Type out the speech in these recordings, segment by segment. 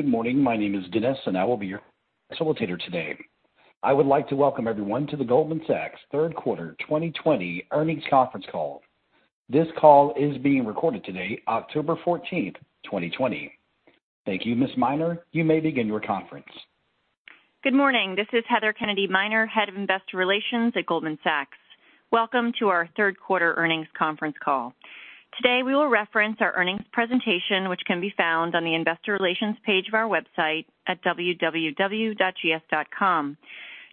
Good morning. My name is Dennis, and I will be your facilitator today. I would like to welcome everyone to the Goldman Sachs third quarter 2020 earnings conference call. This call is being recorded today, October 14th, 2020. Thank you, Ms. Miner, you may begin your conference. Good morning. This is Heather Kennedy Miner, Head of Investor Relations at Goldman Sachs. Welcome to our third quarter earnings conference call. Today we will reference our earnings presentation, which can be found on the Investor Relations page of our website at www.gs.com.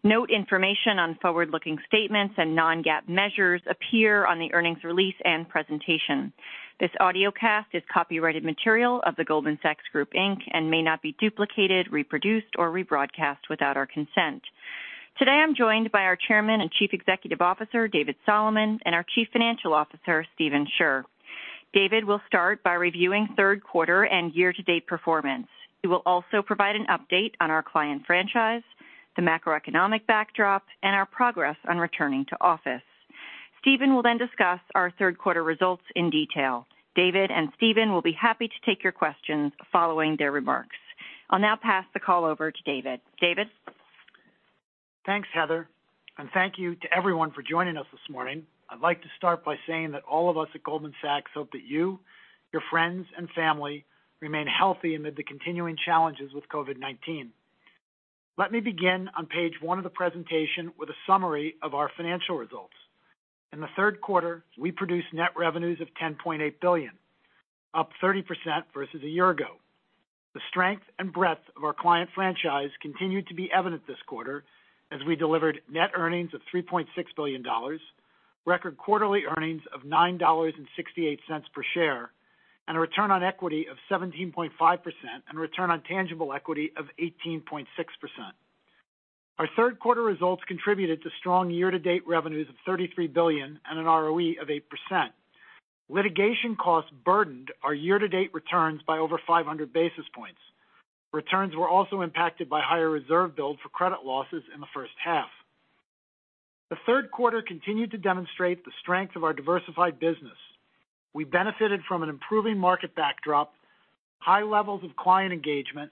Note information on forward-looking statements and non-GAAP measures appear on the earnings release and presentation. This audiocast is copyrighted material of The Goldman Sachs Group Inc., and may not be duplicated, reproduced, or rebroadcast without our consent. Today I'm joined by our Chairman and Chief Executive Officer, David Solomon, and our Chief Financial Officer, Stephen Scherr. David will start by reviewing third quarter and year-to-date performance. He will also provide an update on our client franchise, the macroeconomic backdrop, and our progress on returning to office. Stephen will then discuss our third quarter results in detail. David and Stephen will be happy to take your questions following their remarks. I'll now pass the call over to David. David? Thanks, Heather. Thank you to everyone for joining us this morning. I'd like to start by saying that all of us at Goldman Sachs hope that you, your friends, and family remain healthy amid the continuing challenges with COVID-19. Let me begin on page one of the presentation with a summary of our financial results. In the third quarter, we produced net revenues of $10.8 billion, up 30% versus a year ago. The strength and breadth of our client franchise continued to be evident this quarter as we delivered net earnings of $3.6 billion, record quarterly earnings of $9.68 per share, and a return on equity of 17.5% and return on tangible equity of 18.6%. Our third quarter results contributed to strong year-to-date revenues of $33 billion and an ROE of 8%. Litigation costs burdened our year-to-date returns by over 500 basis points. Returns were also impacted by higher reserve build for credit losses in the first half. The third quarter continued to demonstrate the strength of our diversified business. We benefited from an improving market backdrop, high levels of client engagement,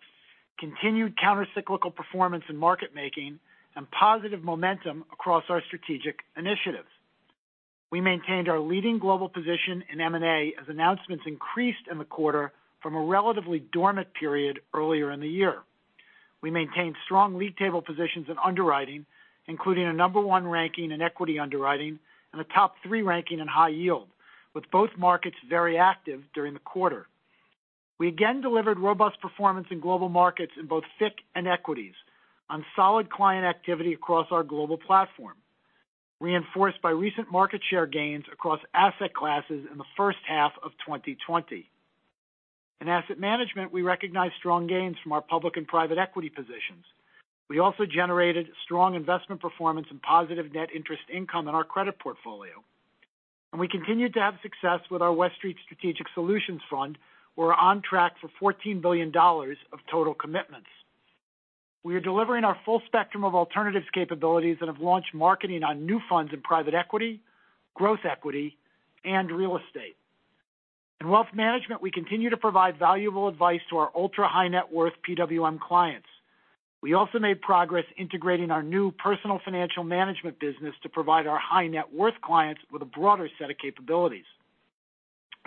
continued countercyclical performance in market making, and positive momentum across our strategic initiatives. We maintained our leading global position in M&A as announcements increased in the quarter from a relatively dormant period earlier in the year. We maintained strong league table positions in underwriting, including a number one ranking in equity underwriting and a top three ranking in high yield, with both markets very active during the quarter. We again delivered robust performance in global markets in both FICC and equities on solid client activity across our global platform, reinforced by recent market share gains across asset classes in the first half of 2020. In asset management, we recognized strong gains from our public and private equity positions. We also generated strong investment performance and positive net interest income in our credit portfolio. We continued to have success with our West Street Strategic Solutions Fund. We're on track for $14 billion of total commitments. We are delivering our full spectrum of alternatives capabilities and have launched marketing on new funds in private equity, growth equity, and real estate. In Wealth Management, we continue to provide valuable advice to our ultra-high net worth PWM clients. We also made progress integrating our new Personal Financial Management business to provide our high net worth clients with a broader set of capabilities.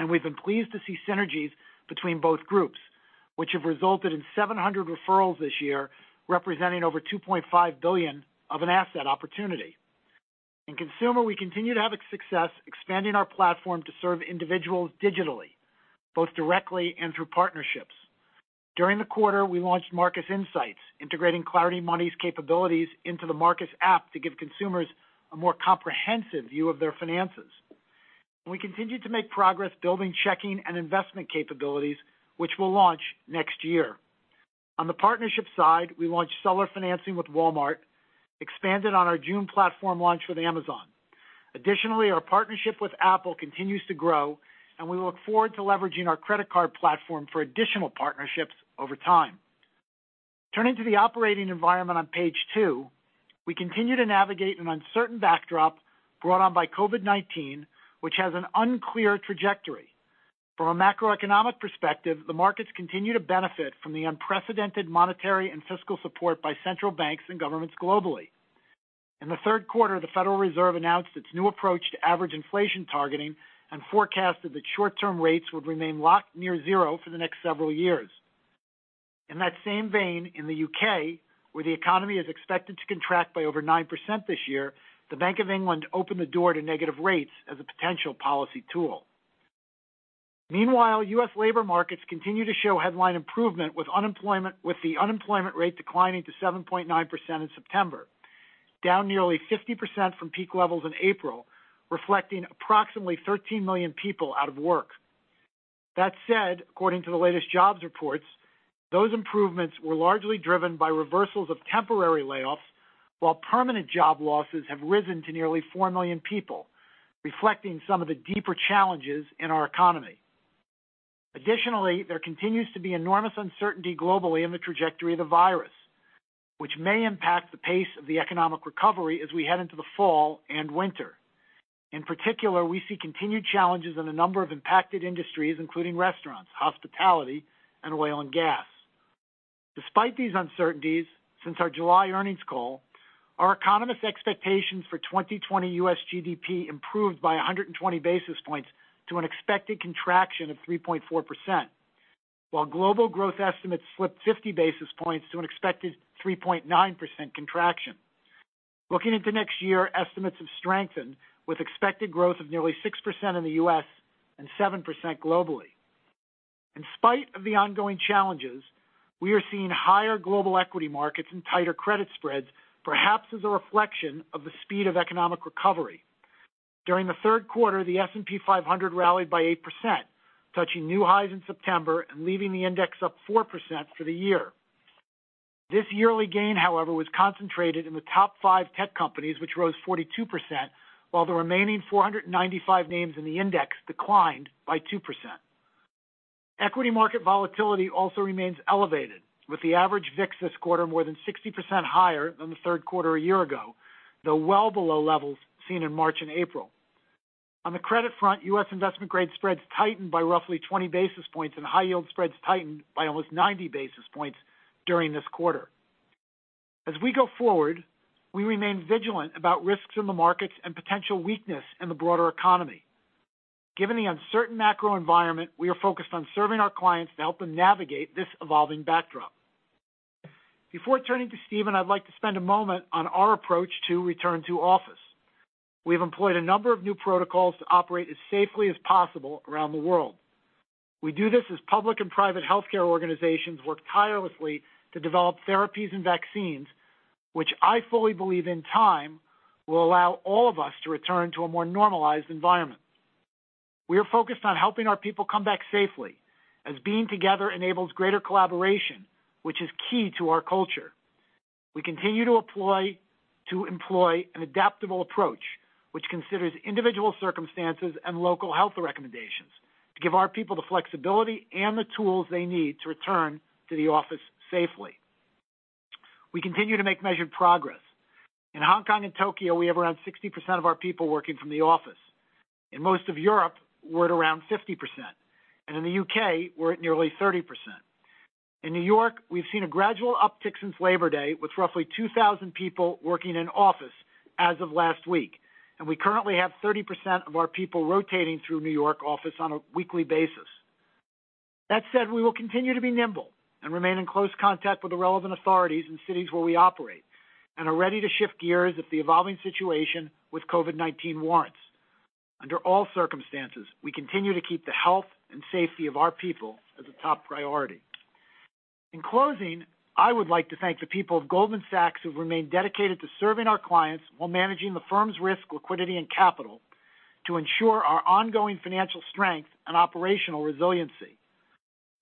We've been pleased to see synergies between both groups, which have resulted in 700 referrals this year, representing over $2.5 billion of an asset opportunity. In Consumer, we continue to have success expanding our platform to serve individuals digitally, both directly and through partnerships. During the quarter, we launched Marcus Insights, Integrating Clarity Money's capabilities into the Marcus app, to give consumers a more comprehensive view of their finances. We continue to make progress building checking and investment capabilities, which we’ll launch next year. On the partnership side, we launched seller financing with Walmart, expanded on our June platform launch with Amazon. Our partnership with Apple continues to grow, and we look forward to leveraging our credit card platform for additional partnerships over time. Turning to the operating environment on page two, we continue to navigate an uncertain backdrop brought on by COVID-19, which has an unclear trajectory. From a macroeconomic perspective, the markets continue to benefit from the unprecedented monetary and fiscal support by central banks and governments globally. In the third quarter, the Federal Reserve announced its new approach to average inflation targeting and forecasted that short-term rates would remain locked near zero for the next several years. In that same vein, in the U.K., where the economy is expected to contract by over 9% this year, the Bank of England opened the door to negative rates as a potential policy tool. Meanwhile, U.S. labor markets continue to show headline improvement with the unemployment rate declining to 7.9% in September, down nearly 50% from peak levels in April, reflecting approximately 13 million people out of work. That said, according to the latest jobs reports, those improvements were largely driven by reversals of temporary layoffs, while permanent job losses have risen to nearly four million people, reflecting some of the deeper challenges in our economy. Additionally, there continues to be enormous uncertainty globally in the trajectory of the virus, which may impact the pace of the economic recovery as we head into the fall and winter. In particular, we see continued challenges in a number of impacted industries, including restaurants, hospitality, and oil and gas. Despite these uncertainties, since our July earnings call, our economists' expectations for 2020 U.S. GDP improved by 120 basis points to an expected contraction of 3.4%, while global growth estimates slipped 50 basis points to an expected 3.9% contraction. Looking into next year, estimates have strengthened with expected growth of nearly 6% in the U.S. and 7% globally. In spite of the ongoing challenges, we are seeing higher global equity markets and tighter credit spreads, perhaps as a reflection of the speed of economic recovery. During the third quarter, the S&P 500 rallied by 8%, touching new highs in September and leaving the index up 4% for the year. This yearly gain, however, was concentrated in the top five tech companies, which rose 42%, while the remaining 495 names in the index declined by 2%. Equity market volatility also remains elevated, with the average VIX this quarter more than 60% higher than the third quarter a year ago, though well below levels seen in March and April. On the credit front, U.S. investment-grade spreads tightened by roughly 20 basis points, and high-yield spreads tightened by almost 90 basis points during this quarter. As we go forward, we remain vigilant about risks in the markets and potential weakness in the broader economy. Given the uncertain macro environment, we are focused on serving our clients to help them navigate this evolving backdrop. Before turning to Stephen, I'd like to spend a moment on our approach to return to office. We've employed a number of new protocols to operate as safely as possible around the world. We do this as public and private healthcare organizations work tirelessly to develop therapies and vaccines, which I fully believe, in time, will allow all of us to return to a more normalized environment. We are focused on helping our people come back safely, as being together enables greater collaboration, which is key to our culture. We continue to employ an adaptable approach which considers individual circumstances and local health recommendations to give our people the flexibility and the tools they need to return to the office safely. We continue to make measured progress. In Hong Kong and Tokyo, we have around 60% of our people working from the office. In most of Europe, we're at around 50%, and in the U.K., we're at nearly 30%. In New York, we've seen a gradual uptick since Labor Day, with roughly 2,000 people working in office as of last week, and we currently have 30% of our people rotating through New York office on a weekly basis. That said, we will continue to be nimble and remain in close contact with the relevant authorities in cities where we operate and are ready to shift gears if the evolving situation with COVID-19 warrants. Under all circumstances, we continue to keep the health and safety of our people as a top priority. In closing, I would like to thank the people of Goldman Sachs, who've remained dedicated to serving our clients while managing the firm's risk, liquidity, and capital to ensure our ongoing financial strength and operational resiliency.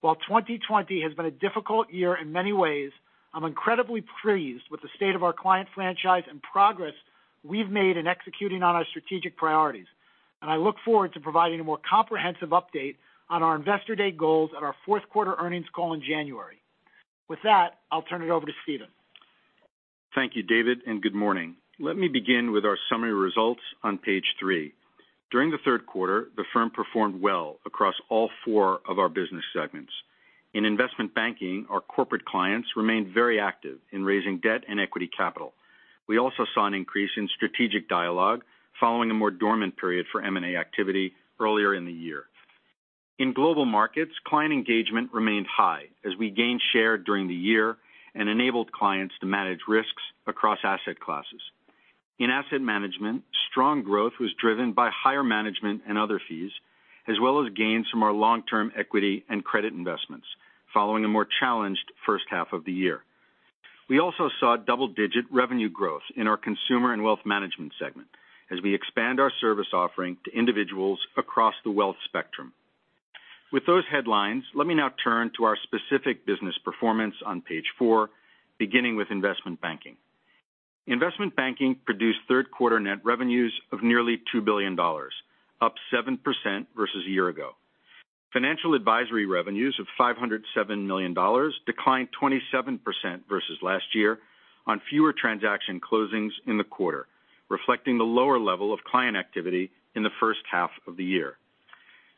While 2020 has been a difficult year in many ways, I'm incredibly pleased with the state of our client franchise and progress we've made in executing on our strategic priorities. I look forward to providing a more comprehensive update on our Investor Day goals at our fourth-quarter earnings call in January. With that, I'll turn it over to Stephen. Thank you, David, and good morning. Let me begin with our summary results on page three. During the third quarter, the firm performed well across all four of our business segments. In Investment Banking, our corporate clients remained very active in raising debt and equity capital. We also saw an increase in strategic dialogue following a more dormant period for M&A activity earlier in the year. In Global Markets, client engagement remained high as we gained share during the year and enabled clients to manage risks across asset classes. In Asset Management, strong growth was driven by higher management and other fees, as well as gains from our long-term equity and credit investments following a more challenged first half of the year. We also saw double-digit revenue growth in our Consumer and Wealth Management segment as we expand our service offering to individuals across the wealth spectrum. With those headlines, let me now turn to our specific business performance on page four, beginning with investment banking. Investment banking produced third-quarter net revenues of nearly $2 billion, up 7% versus a year ago. Financial advisory revenues of $507 million declined 27% versus last year on fewer transaction closings in the quarter, reflecting the lower level of client activity in the first half of the year.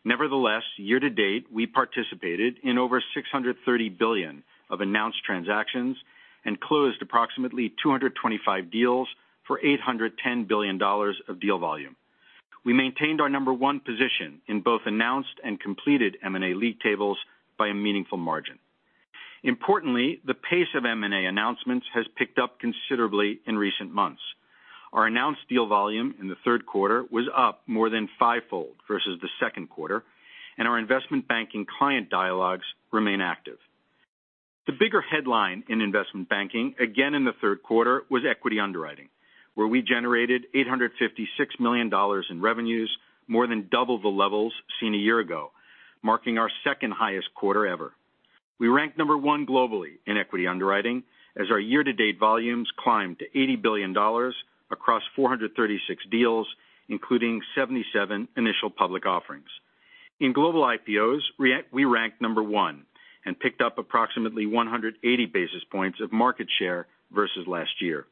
Nevertheless, year to date, we participated in over $630 billion of announced transactions and closed approximately 225 deals for $810 billion of deal volume. We maintained our number one position in both announced and completed M&A league tables by a meaningful margin. Importantly, the pace of M&A announcements has picked up considerably in recent months. Our announced deal volume in the third quarter was up more than five-fold versus the second quarter, and our investment banking client dialogues remain active. The bigger headline in investment banking, again in the third quarter, was equity underwriting, where we generated $856 million in revenues, more than double the levels seen a year ago, marking our second highest quarter ever. We ranked number one globally in equity underwriting as our year-to-date volumes climbed to $80 billion across 436 deals, including 77 initial public offerings. In global IPOs, we ranked number one and picked up approximately 180 basis points of market share versus last year.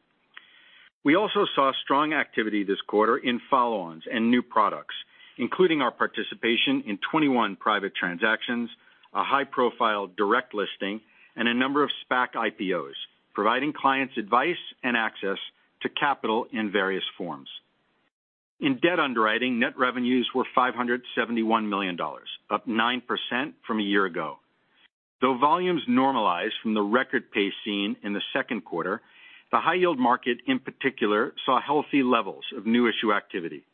We also saw strong activity this quarter in follow-ons and new products, including our participation in 21 private transactions, a high-profile direct listing, and a number of SPAC IPOs, providing clients advice and access to capital in various forms. In debt underwriting, net revenues were $571 million, up 9% from a year ago. Though volumes normalized from the record pace seen in the second quarter, the high yield market in particular, saw healthy levels of new issue activity.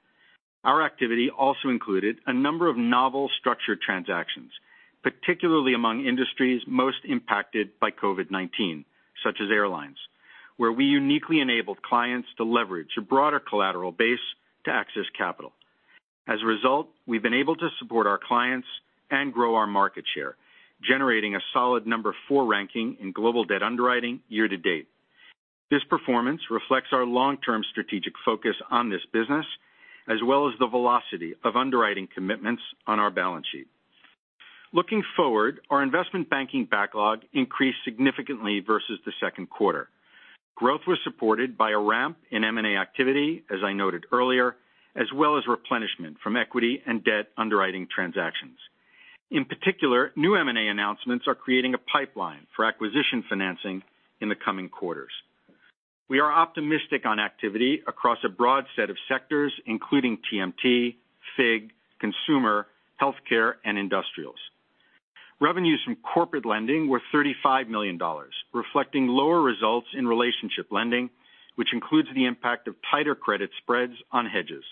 Our activity also included a number of novel structured transactions, particularly among industries most impacted by COVID-19, such as airlines, where we uniquely enabled clients to leverage a broader collateral base to access capital. As a result, we've been able to support our clients and grow our market share, generating a solid number four ranking in global debt underwriting year to date. This performance reflects our long-term strategic focus on this business, as well as the velocity of underwriting commitments on our balance sheet. Looking forward, our investment banking backlog increased significantly versus the second quarter. Growth was supported by a ramp in M&A activity, as I noted earlier, as well as replenishment from equity and debt underwriting transactions. In particular, new M&A announcements are creating a pipeline for acquisition financing in the coming quarters. We are optimistic on activity across a broad set of sectors, including TMT, FIG, Consumer, Healthcare, and Industrials. Revenues from corporate lending were $35 million, reflecting lower results in relationship lending, which includes the impact of tighter credit spreads on hedges.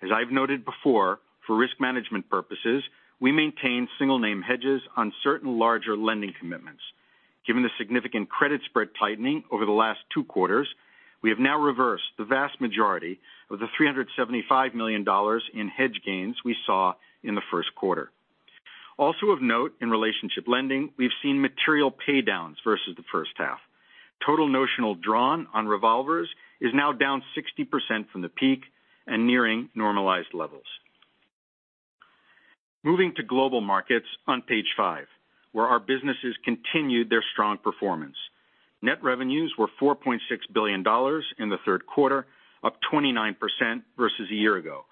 As I've noted before, for risk management purposes, we maintain single name hedges on certain larger lending commitments. Given the significant credit spread tightening over the last two quarters, we have now reversed the vast majority of the $375 million in hedge gains we saw in the first quarter. Also of note in relationship lending, we've seen material paydowns versus the first half. Total notional drawn on revolvers is now down 60% from the peak and nearing normalized levels. Moving to global markets on page five, where our businesses continued their strong performance. Net revenues were $4.6 billion in the third quarter, up 29% versus a year ago,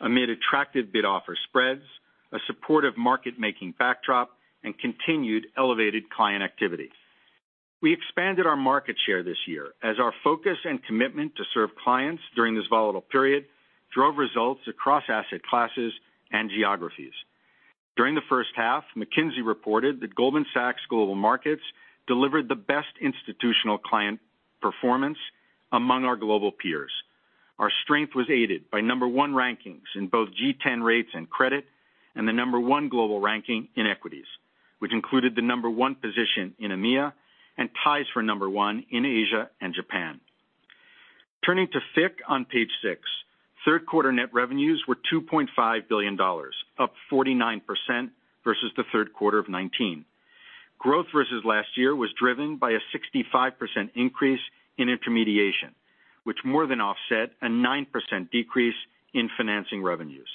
amid attractive bid-offer spreads, a supportive market making backdrop, and continued elevated client activity. We expanded our market share this year as our focus and commitment to serve clients during this volatile period drove results across asset classes and geographies. During the first half, McKinsey reported that Goldman Sachs Global Markets delivered the best institutional client performance among our global peers. Our strength was aided by number one rankings in both G10 rates and credit, and the number one global ranking in equities, which included the number one position in EMEA and ties for number one in Asia and Japan. Turning to FICC on page six, third quarter net revenues were $2.5 billion, up 49% versus the third quarter of 2019. Growth versus last year was driven by a 65% increase in intermediation, which more than offset a 9% decrease in financing revenues.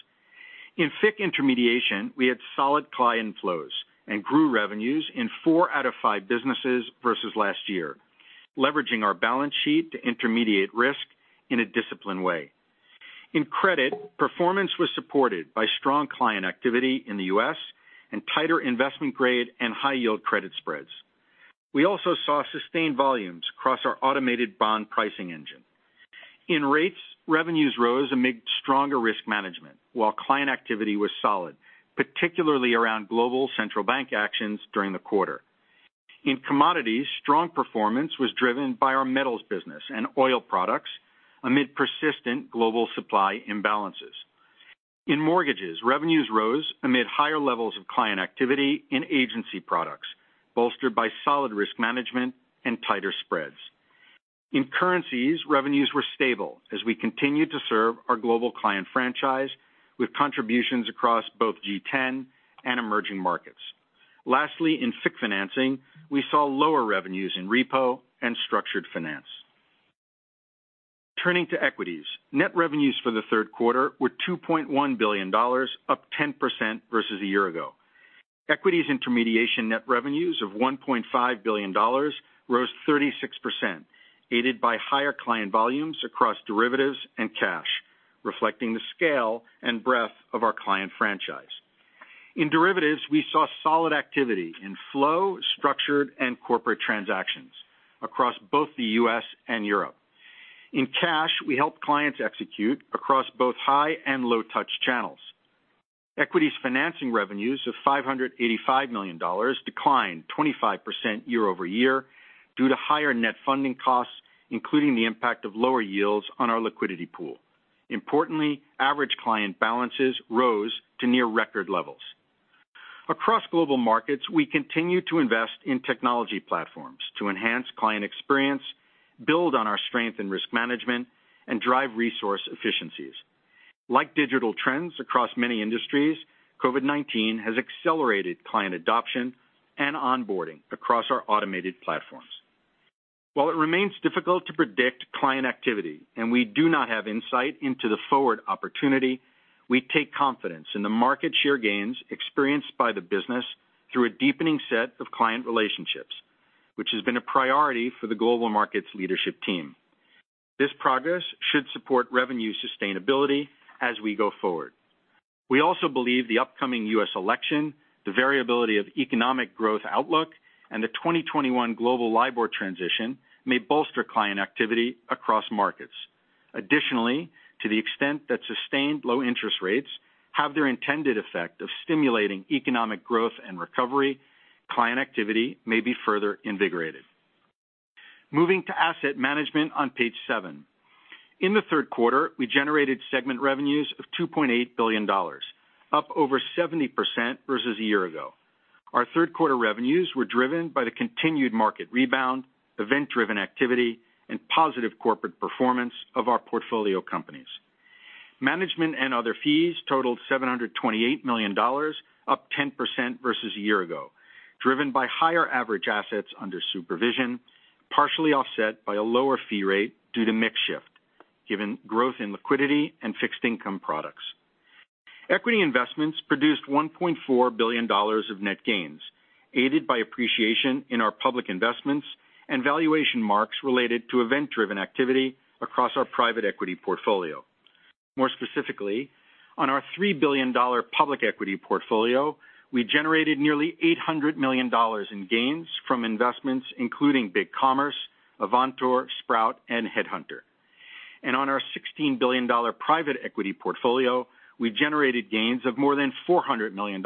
In FICC intermediation, we had solid client flows and grew revenues in four out of five businesses versus last year, leveraging our balance sheet to intermediate risk in a disciplined way. In Credit, performance was supported by strong client activity in the U.S. and tighter investment-grade and high yield credit spreads. We also saw sustained volumes across our automated bond pricing engine. In Rates, revenues rose amid stronger risk management while client activity was solid, particularly around global central bank actions during the quarter. In Commodities, strong performance was driven by our metals business and oil products amid persistent global supply imbalances. In Mortgages, revenues rose amid higher levels of client activity in agency products, bolstered by solid risk management and tighter spreads. In Currencies, revenues were stable as we continued to serve our global client franchise with contributions across both G10 and emerging markets. Lastly, in FICC Financing, we saw lower revenues in repo and structured finance. Turning to Equities. Net revenues for the third quarter were $2.1 billion, up 10% versus a year ago. Equities Intermediation net revenues of $1.5 billion rose 36%, aided by higher client volumes across derivatives and cash, reflecting the scale and breadth of our client franchise. In Derivatives, we saw solid activity in flow, structured, and corporate transactions across both the U.S. and Europe. In Cash, we helped clients execute across both high and low touch channels. Equities Financing revenues of $585 million declined 25% year-over-year due to higher net funding costs, including the impact of lower yields on our liquidity pool. Importantly, average client balances rose to near record levels. Across Global Markets, we continue to invest in technology platforms to enhance client experience, build on our strength in risk management, and drive resource efficiencies. Like digital trends across many industries, COVID-19 has accelerated client adoption and onboarding across our automated platforms. While it remains difficult to predict client activity, and we do not have insight into the forward opportunity, we take confidence in the market share gains experienced by the business through a deepening set of client relationships, which has been a priority for the Global Markets leadership team. This progress should support revenue sustainability as we go forward. We also believe the upcoming U.S. election, the variability of economic growth outlook, and the 2021 global LIBOR transition may bolster client activity across markets. To the extent that sustained low interest rates have their intended effect of stimulating economic growth and recovery, client activity may be further invigorated. Moving to asset management on page seven. In the third quarter, we generated segment revenues of $2.8 billion, up over 70% versus a year ago. Our third quarter revenues were driven by the continued market rebound, event-driven activity, and positive corporate performance of our portfolio companies. Management and other fees totaled $728 million, up 10% versus a year ago, driven by higher average assets under supervision, partially offset by a lower fee rate due to mix shift, given growth in liquidity and fixed income products. Equity investments produced $1.4 billion of net gains, aided by appreciation in our public investments and valuation marks related to event-driven activity across our private equity portfolio. More specifically, on our $3 billion public equity portfolio, we generated nearly $800 million in gains from investments including BigCommerce, Avantor, Sprout, and HeadHunter. On our $16 billion private equity portfolio, we generated gains of more than $400 million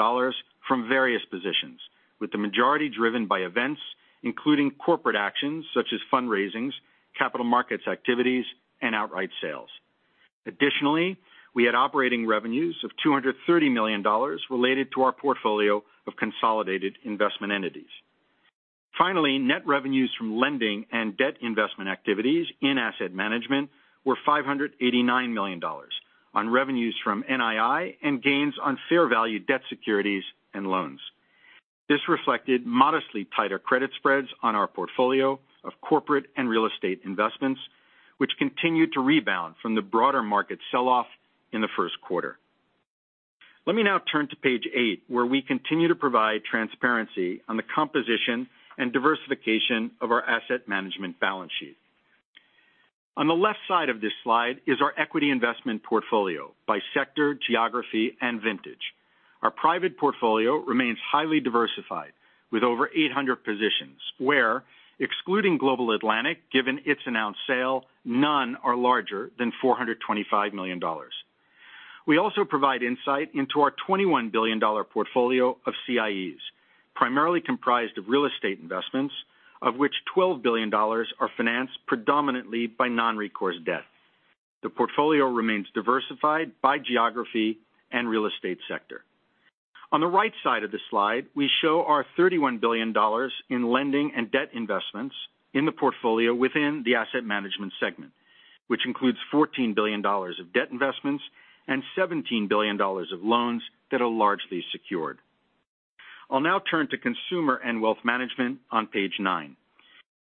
from various positions, with the majority driven by events including corporate actions such as fundraisings, capital markets activities, and outright sales. Additionally, we had operating revenues of $230 million related to our portfolio of consolidated investment entities. Finally, net revenues from lending and debt investment activities in asset management were $589 million on revenues from NII and gains on fair value debt securities and loans. This reflected modestly tighter credit spreads on our portfolio of corporate and real estate investments, which continued to rebound from the broader market sell-off in the first quarter. Let me now turn to page eight, where we continue to provide transparency on the composition and diversification of our asset management balance sheet. On the left side of this slide is our equity investment portfolio by sector, geography, and vintage. Our private portfolio remains highly diversified, with over 800 positions where, excluding Global Atlantic, given its announced sale, none are larger than $425 million. We also provide insight into our $21 billion portfolio of CIEs, primarily comprised of real estate investments, of which $12 billion are financed predominantly by non-recourse debt. The portfolio remains diversified by geography and real estate sector. On the right side of the slide, we show our $31 billion in lending and debt investments in the portfolio within the Asset Management segment, which includes $14 billion of debt investments and $17 billion of loans that are largely secured. I'll now turn to Consumer and Wealth Management on page nine.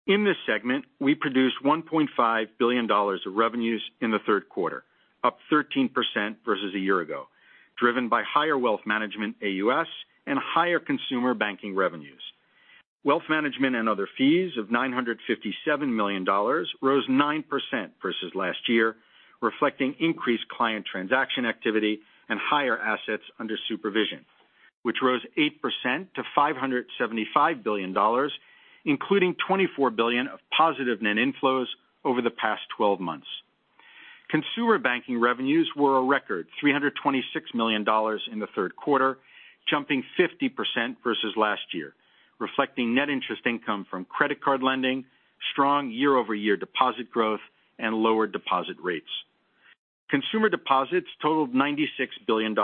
In this segment, we produced $1.5 billion of revenues in the third quarter, up 13% versus a year ago, driven by higher Wealth Management AUS and higher consumer banking revenues. Wealth Management and other fees of $957 million rose 9% versus last year, reflecting increased client transaction activity and higher assets under supervision, which rose 8% to $575 billion, including $24 billion of positive net inflows over the past 12 months. Consumer banking revenues were a record $326 million in the third quarter, jumping 50% versus last year, reflecting net interest income from credit card lending, strong year-over-year deposit growth, and lower deposit rates. Consumer deposits totaled $96 billion,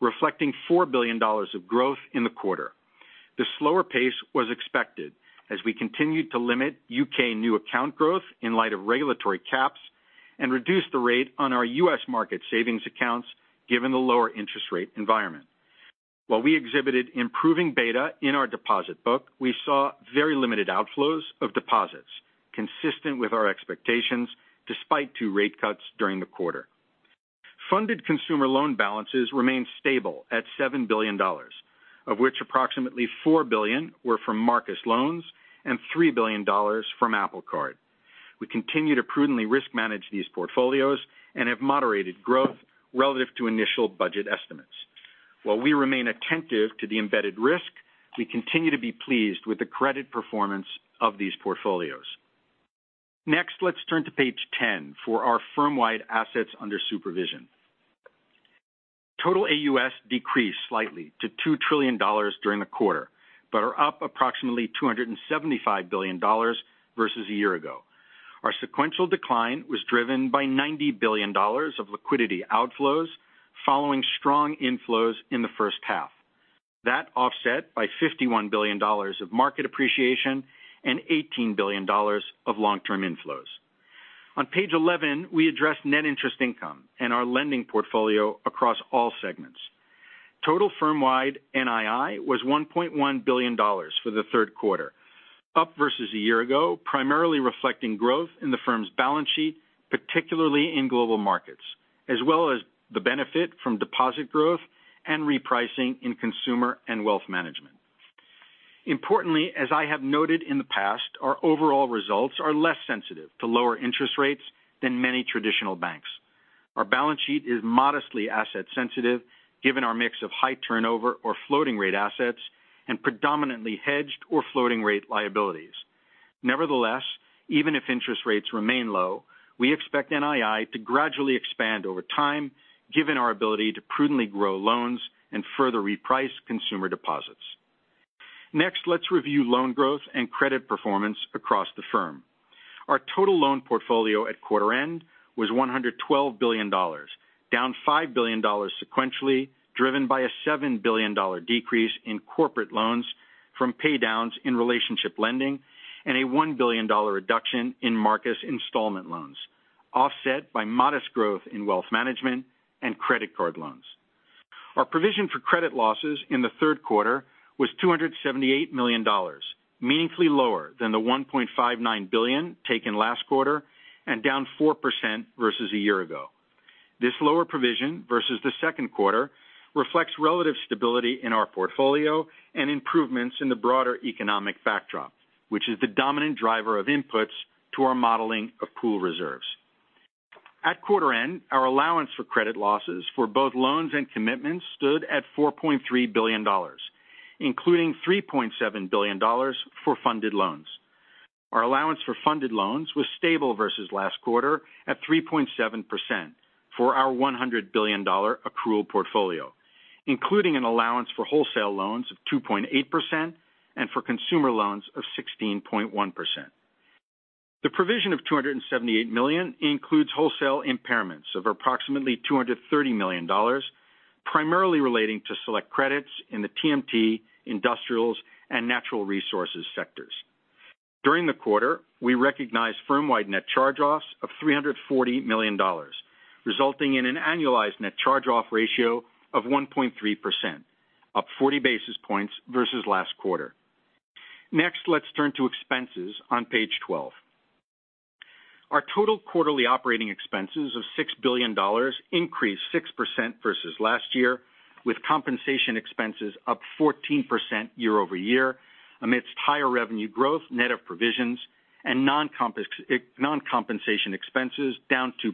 reflecting $4 billion of growth in the quarter. This slower pace was expected as we continued to limit U.K. new account growth in light of regulatory caps and reduced the rate on our U.S. market savings accounts, given the lower interest rate environment. While we exhibited improving beta in our deposit book, we saw very limited outflows of deposits, consistent with our expectations, despite two rate cuts during the quarter. Funded consumer loan balances remained stable at $7 billion, of which approximately $4 billion were from Marcus loans and $3 billion from Apple Card. We continue to prudently risk manage these portfolios and have moderated growth relative to initial budget estimates. While we remain attentive to the embedded risk, we continue to be pleased with the credit performance of these portfolios. Let's turn to page 10 for our firm-wide assets under supervision. Total AUS decreased slightly to $2 trillion during the quarter, are up approximately $275 billion versus a year ago. Our sequential decline was driven by $90 billion of liquidity outflows following strong inflows in the first half. That offset by $51 billion of market appreciation and $18 billion of long-term inflows. On page 11, we address net interest income and our lending portfolio across all segments. Total firm-wide NII was $1.1 billion for the third quarter, up versus a year ago, primarily reflecting growth in the firm's balance sheet, particularly in global markets, as well as the benefit from deposit growth and repricing in Consumer and Wealth Management. Importantly, as I have noted in the past, our overall results are less sensitive to lower interest rates than many traditional banks. Our balance sheet is modestly asset sensitive, given our mix of high turnover or floating rate assets and predominantly hedged or floating rate liabilities. Nevertheless, even if interest rates remain low, we expect NII to gradually expand over time, given our ability to prudently grow loans and further reprice Consumer deposits. Next, let's review loan growth and credit performance across the firm. Our total loan portfolio at quarter end was $112 billion, down $5 billion sequentially, driven by a $7 billion decrease in corporate loans from paydowns in relationship lending, and a $1 billion reduction in Marcus installment loans, offset by modest growth in Wealth Management and credit card loans. Our provision for credit losses in the third quarter was $278 million, meaningfully lower than the $1.59 billion taken last quarter, and down 4% versus a year ago. This lower provision versus the second quarter reflects relative stability in our portfolio and improvements in the broader economic backdrop, which is the dominant driver of inputs to our modeling of pool reserves. At quarter end, our allowance for credit losses for both loans and commitments stood at $4.3 billion, including $3.7 billion for funded loans. Our allowance for funded loans was stable versus last quarter at 3.7% for our $100 billion accrual portfolio, including an allowance for wholesale loans of 2.8% and for Consumer loans of 16.1%. The provision of $278 million includes wholesale impairments of approximately $230 million, primarily relating to select credits in the TMT, Industrials, and Natural Resources sectors. During the quarter, we recognized firm-wide net charge-offs of $340 million, resulting in an annualized net charge-off ratio of 1.3%, up 40 basis points versus last quarter. Next, let's turn to expenses on page 12. Our total quarterly operating expenses of $6 billion increased 6% versus last year, with compensation expenses up 14% year-over-year, amidst higher revenue growth net of provisions and non-compensation expenses down 2%.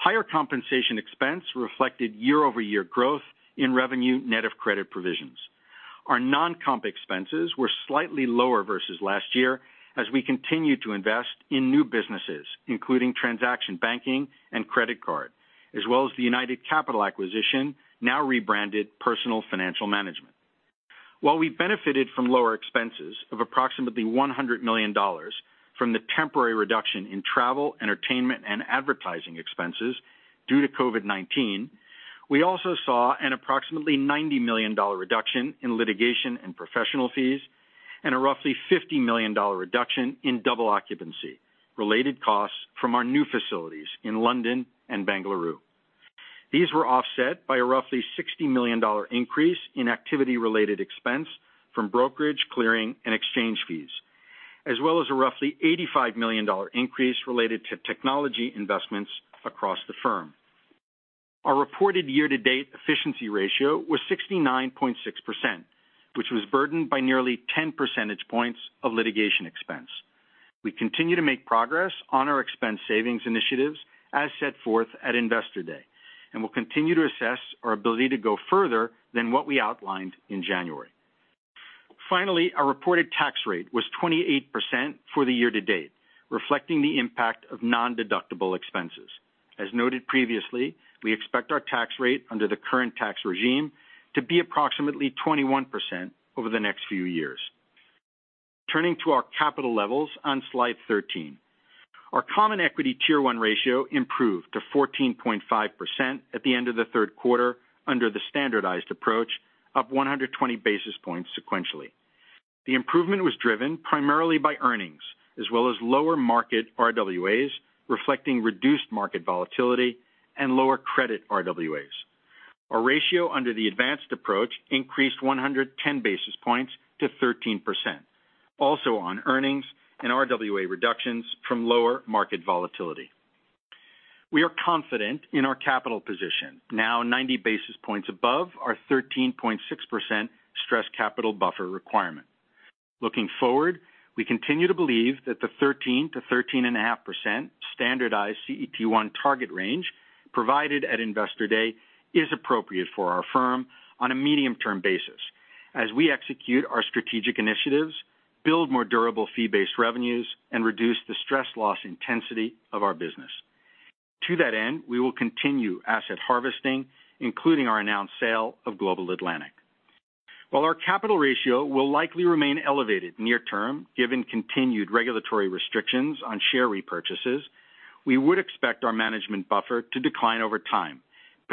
Higher compensation expense reflected year-over-year growth in revenue net of credit provisions. Our non-comp expenses were slightly lower versus last year as we continued to invest in new businesses, including transaction banking and credit card, as well as the United Capital acquisition, now rebranded Personal Financial Management. While we benefited from lower expenses of approximately $100 million from the temporary reduction in travel, entertainment, and advertising expenses due to COVID-19, we also saw an approximately $90 million reduction in litigation and professional fees, and a roughly $50 million reduction in double occupancy-related costs from our new facilities in London and Bengaluru. These were offset by a roughly $60 million increase in activity-related expense from brokerage, clearing, and exchange fees, as well as a roughly $85 million increase related to technology investments across the firm. Our reported year-to-date efficiency ratio was 69.6%, which was burdened by nearly 10 percentage points of litigation expense. We continue to make progress on our expense savings initiatives, as set forth at Investor Day, and will continue to assess our ability to go further than what we outlined in January. Finally, our reported tax rate was 28% for the year to date, reflecting the impact of nondeductible expenses. As noted previously, we expect our tax rate under the current tax regime to be approximately 21% over the next few years. Turning to our capital levels on slide 13. Our common equity tier 1 ratio improved to 14.5% at the end of the third quarter under the standardized approach, up 120 basis points sequentially. The improvement was driven primarily by earnings, as well as lower market RWAs, reflecting reduced market volatility and lower credit RWAs. Our ratio under the Advanced Approach increased 110 basis points to 13%, also on earnings and RWA reductions from lower market volatility. We are confident in our capital position, now 90 basis points above our 13.6% stress capital buffer requirement. Looking forward, we continue to believe that the 13%-13.5% standardized CET1 target range provided at Investor Day is appropriate for our firm on a medium-term basis as we execute our strategic initiatives, build more durable fee-based revenues, and reduce the stress loss intensity of our business. To that end, we will continue asset harvesting, including our announced sale of Global Atlantic. While our capital ratio will likely remain elevated near term, given continued regulatory restrictions on share repurchases, we would expect our management buffer to decline over time,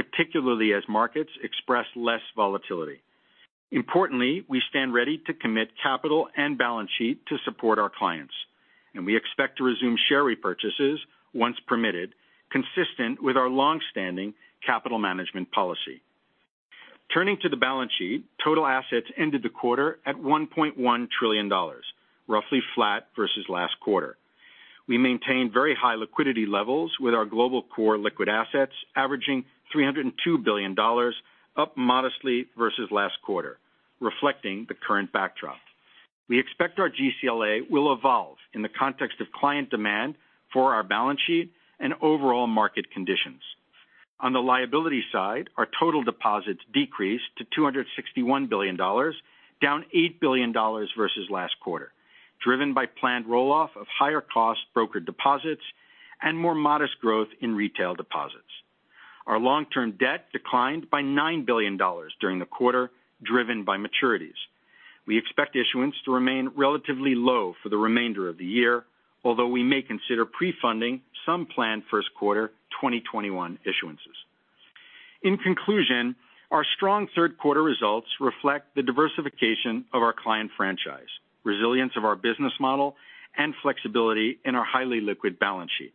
particularly as markets express less volatility. Importantly, we stand ready to commit capital and balance sheet to support our clients, and we expect to resume share repurchases once permitted, consistent with our longstanding capital management policy. Turning to the balance sheet, total assets ended the quarter at $1.1 trillion, roughly flat versus last quarter. We maintained very high liquidity levels with our global core liquid assets averaging $302 billion, up modestly versus last quarter, reflecting the current backdrop. We expect our GCLA will evolve in the context of client demand for our balance sheet and overall market conditions. On the liability side, our total deposits decreased to $261 billion, down $8 billion versus last quarter, driven by planned roll-off of higher-cost broker deposits and more modest growth in retail deposits. Our long-term debt declined by $9 billion during the quarter, driven by maturities. We expect issuance to remain relatively low for the remainder of the year, although we may consider pre-funding some planned first quarter 2021 issuances. In conclusion, our strong third quarter results reflect the diversification of our client franchise, resilience of our business model, and flexibility in our highly liquid balance sheet.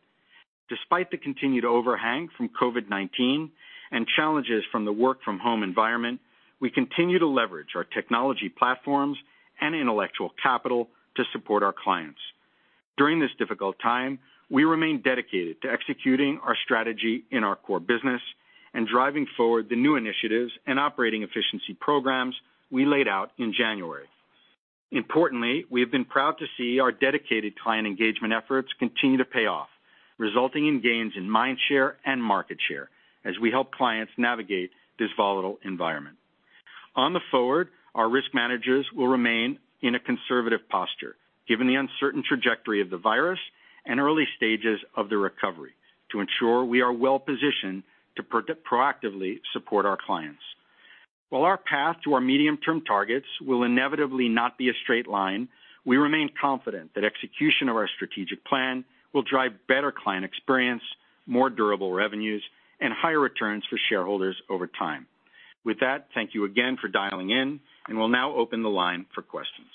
Despite the continued overhang from COVID-19 and challenges from the work-from-home environment, we continue to leverage our technology platforms and intellectual capital to support our clients. During this difficult time, we remain dedicated to executing our strategy in our core business and driving forward the new initiatives and operating efficiency programs we laid out in January. Importantly, we have been proud to see our dedicated client engagement efforts continue to pay off, resulting in gains in mind share and market share as we help clients navigate this volatile environment. On the forward, our risk managers will remain in a conservative posture, given the uncertain trajectory of the virus and early stages of the recovery to ensure we are well-positioned to proactively support our clients. While our path to our medium-term targets will inevitably not be a straight line, we remain confident that execution of our strategic plan will drive better client experience, more durable revenues, and higher returns for shareholders over time. With that, thank you again for dialing in, and we'll now open the line for questions.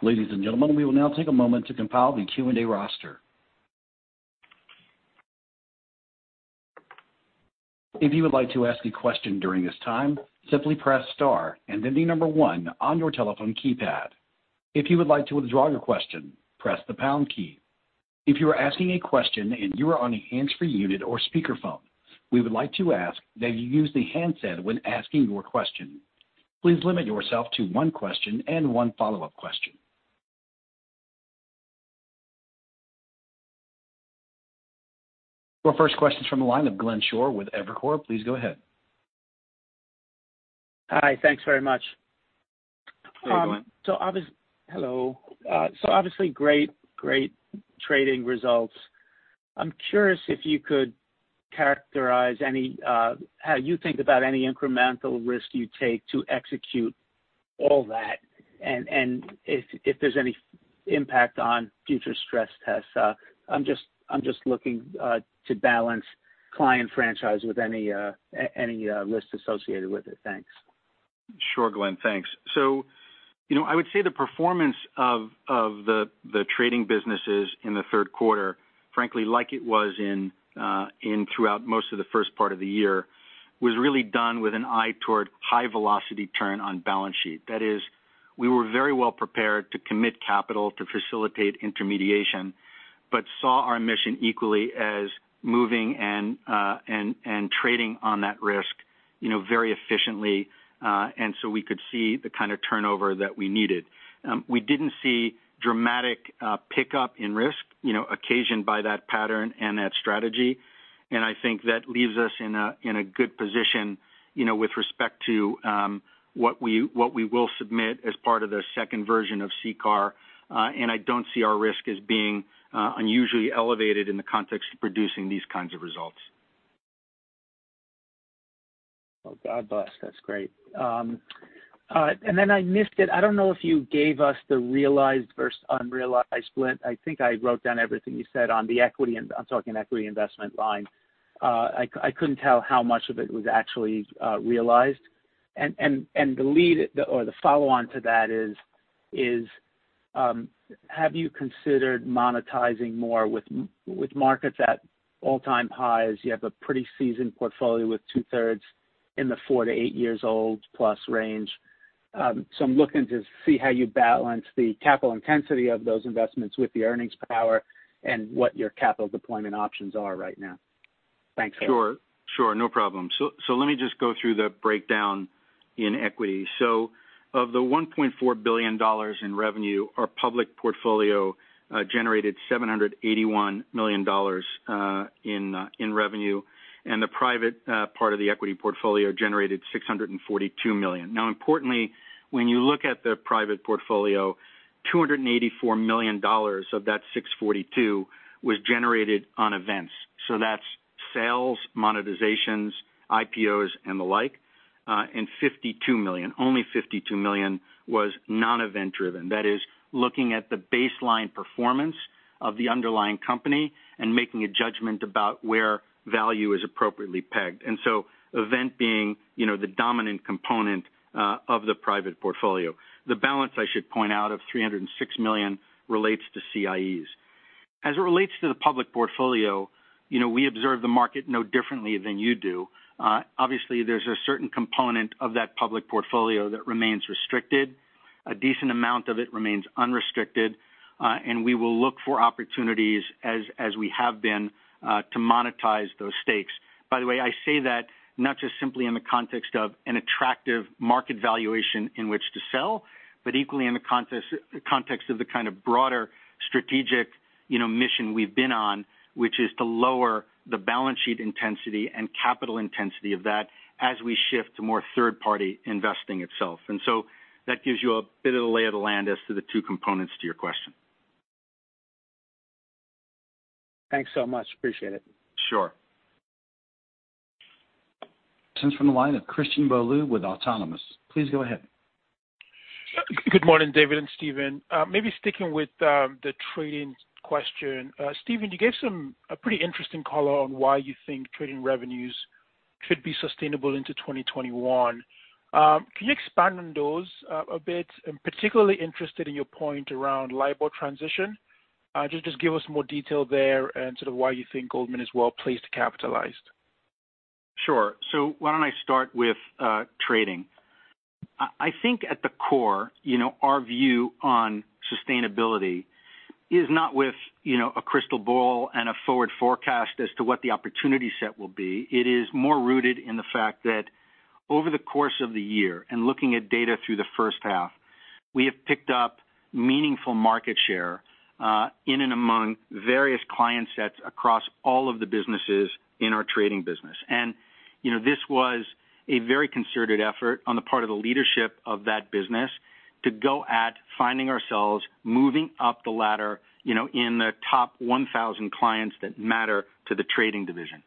Ladies and gentlemen, we will now take a moment to compile the Q&A roster. If you would like to ask a question during this time, simply press star and then the number one on your telephone keypad. If you would like to withdraw your question, press the pound key. If you are asking a question and you are on a hands-free unit or speakerphone, we would like to ask that you use the handset when asking your question. Please limit yourself to one question and one follow-up question. Our first question is from the line of Glenn Schorr with Evercore. Please go ahead. Hi. Thanks very much. Hey, Glenn. Hello. Obviously great trading results. I'm curious if you could characterize how you think about any incremental risk you take to execute all that, and if there's any impact on future stress tests. I'm just looking to balance client franchise with any risk associated with it. Thanks. Sure, Glenn. Thanks. I would say the performance of the trading businesses in the third quarter, frankly, like it was throughout most of the first part of the year, was really done with an eye toward high-velocity turn on balance sheet. That is, we were very well prepared to commit capital to facilitate intermediation, but saw our mission equally as moving and trading on that risk very efficiently, so we could see the kind of turnover that we needed. We didn't see dramatic pickup in risk occasioned by that pattern and that strategy. I think that leaves us in a good position with respect to what we will submit as part of the second version of CCAR. I don't see our risk as being unusually elevated in the context of producing these kinds of results. Well, God bless. That's great. I missed it. I do not know if you gave us the realized versus unrealized split. I think I wrote down everything you said on the equity, I am talking equity investment line. I could not tell how much of it was actually realized. The follow-on to that is, have you considered monetizing more with markets at all-time highs? You have a pretty seasoned portfolio with 2/3 in the four to eight years old plus range. I am looking to see how you balance the capital intensity of those investments with the earnings power and what your capital deployment options are right now. Thanks. Sure. No problem. Let me just go through the breakdown in equity. Of the $1.4 billion in revenue, our public portfolio generated $781 million in revenue, and the private part of the equity portfolio generated $642 million. Importantly, when you look at the private portfolio, $284 million of that $642 million was generated on events. That's sales, monetizations, IPOs, and the like, and $52 million, only $52 million was non-event driven. That is looking at the baseline performance of the underlying company and making a judgment about where value is appropriately pegged. Event being the dominant component of the private portfolio. The balance, I should point out, of $306 million relates to CIEs. As it relates to the public portfolio, we observe the market no differently than you do. Obviously, there's a certain component of that public portfolio that remains restricted. A decent amount of it remains unrestricted. We will look for opportunities, as we have been, to monetize those stakes. By the way, I say that not just simply in the context of an attractive market valuation in which to sell, but equally in the context of the kind of broader strategic mission we've been on, which is to lower the balance sheet intensity and capital intensity of that as we shift to more third-party investing itself. That gives you a bit of the lay of the land as to the two components to your question. Thanks so much. Appreciate it. Sure. Next from the line of Christian Bolu with Autonomous. Please go ahead. Good morning, David and Stephen. Maybe sticking with the trading question. Stephen, you gave a pretty interesting color on why you think trading revenues should be sustainable into 2021. Can you expand on those a bit? I'm particularly interested in your point around LIBOR transition. Just give us more detail there and sort of why you think Goldman is well-placed to capitalize. Sure. Why don't I start with trading? I think at the core, our view on sustainability is not with a crystal ball and a forward forecast as to what the opportunity set will be. It is more rooted in the fact that over the course of the year and looking at data through the first half, we have picked up meaningful market share, in and among various client sets across all of the businesses in our trading business. This was a very concerted effort on the part of the leadership of that business to go at finding ourselves moving up the ladder in the top 1,000 clients that matter to the trading division.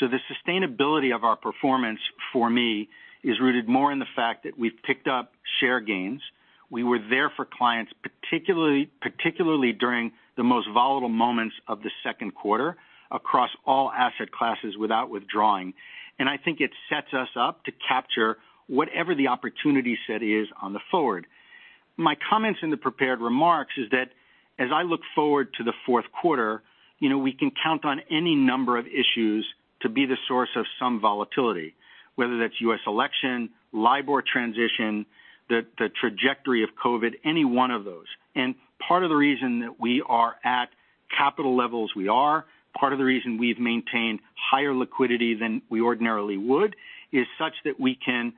The sustainability of our performance, for me, is rooted more in the fact that we've picked up share gains. We were there for clients, particularly during the most volatile moments of the second quarter across all asset classes without withdrawing. I think it sets us up to capture whatever the opportunity set is on the forward. My comments in the prepared remarks is that as I look forward to the fourth quarter, we can count on any number of issues to be the source of some volatility, whether that's U.S. election, LIBOR transition, the trajectory of COVID-19, any one of those. Part of the reason that we are at capital levels we are, part of the reason we've maintained higher liquidity than we ordinarily would, is such that we can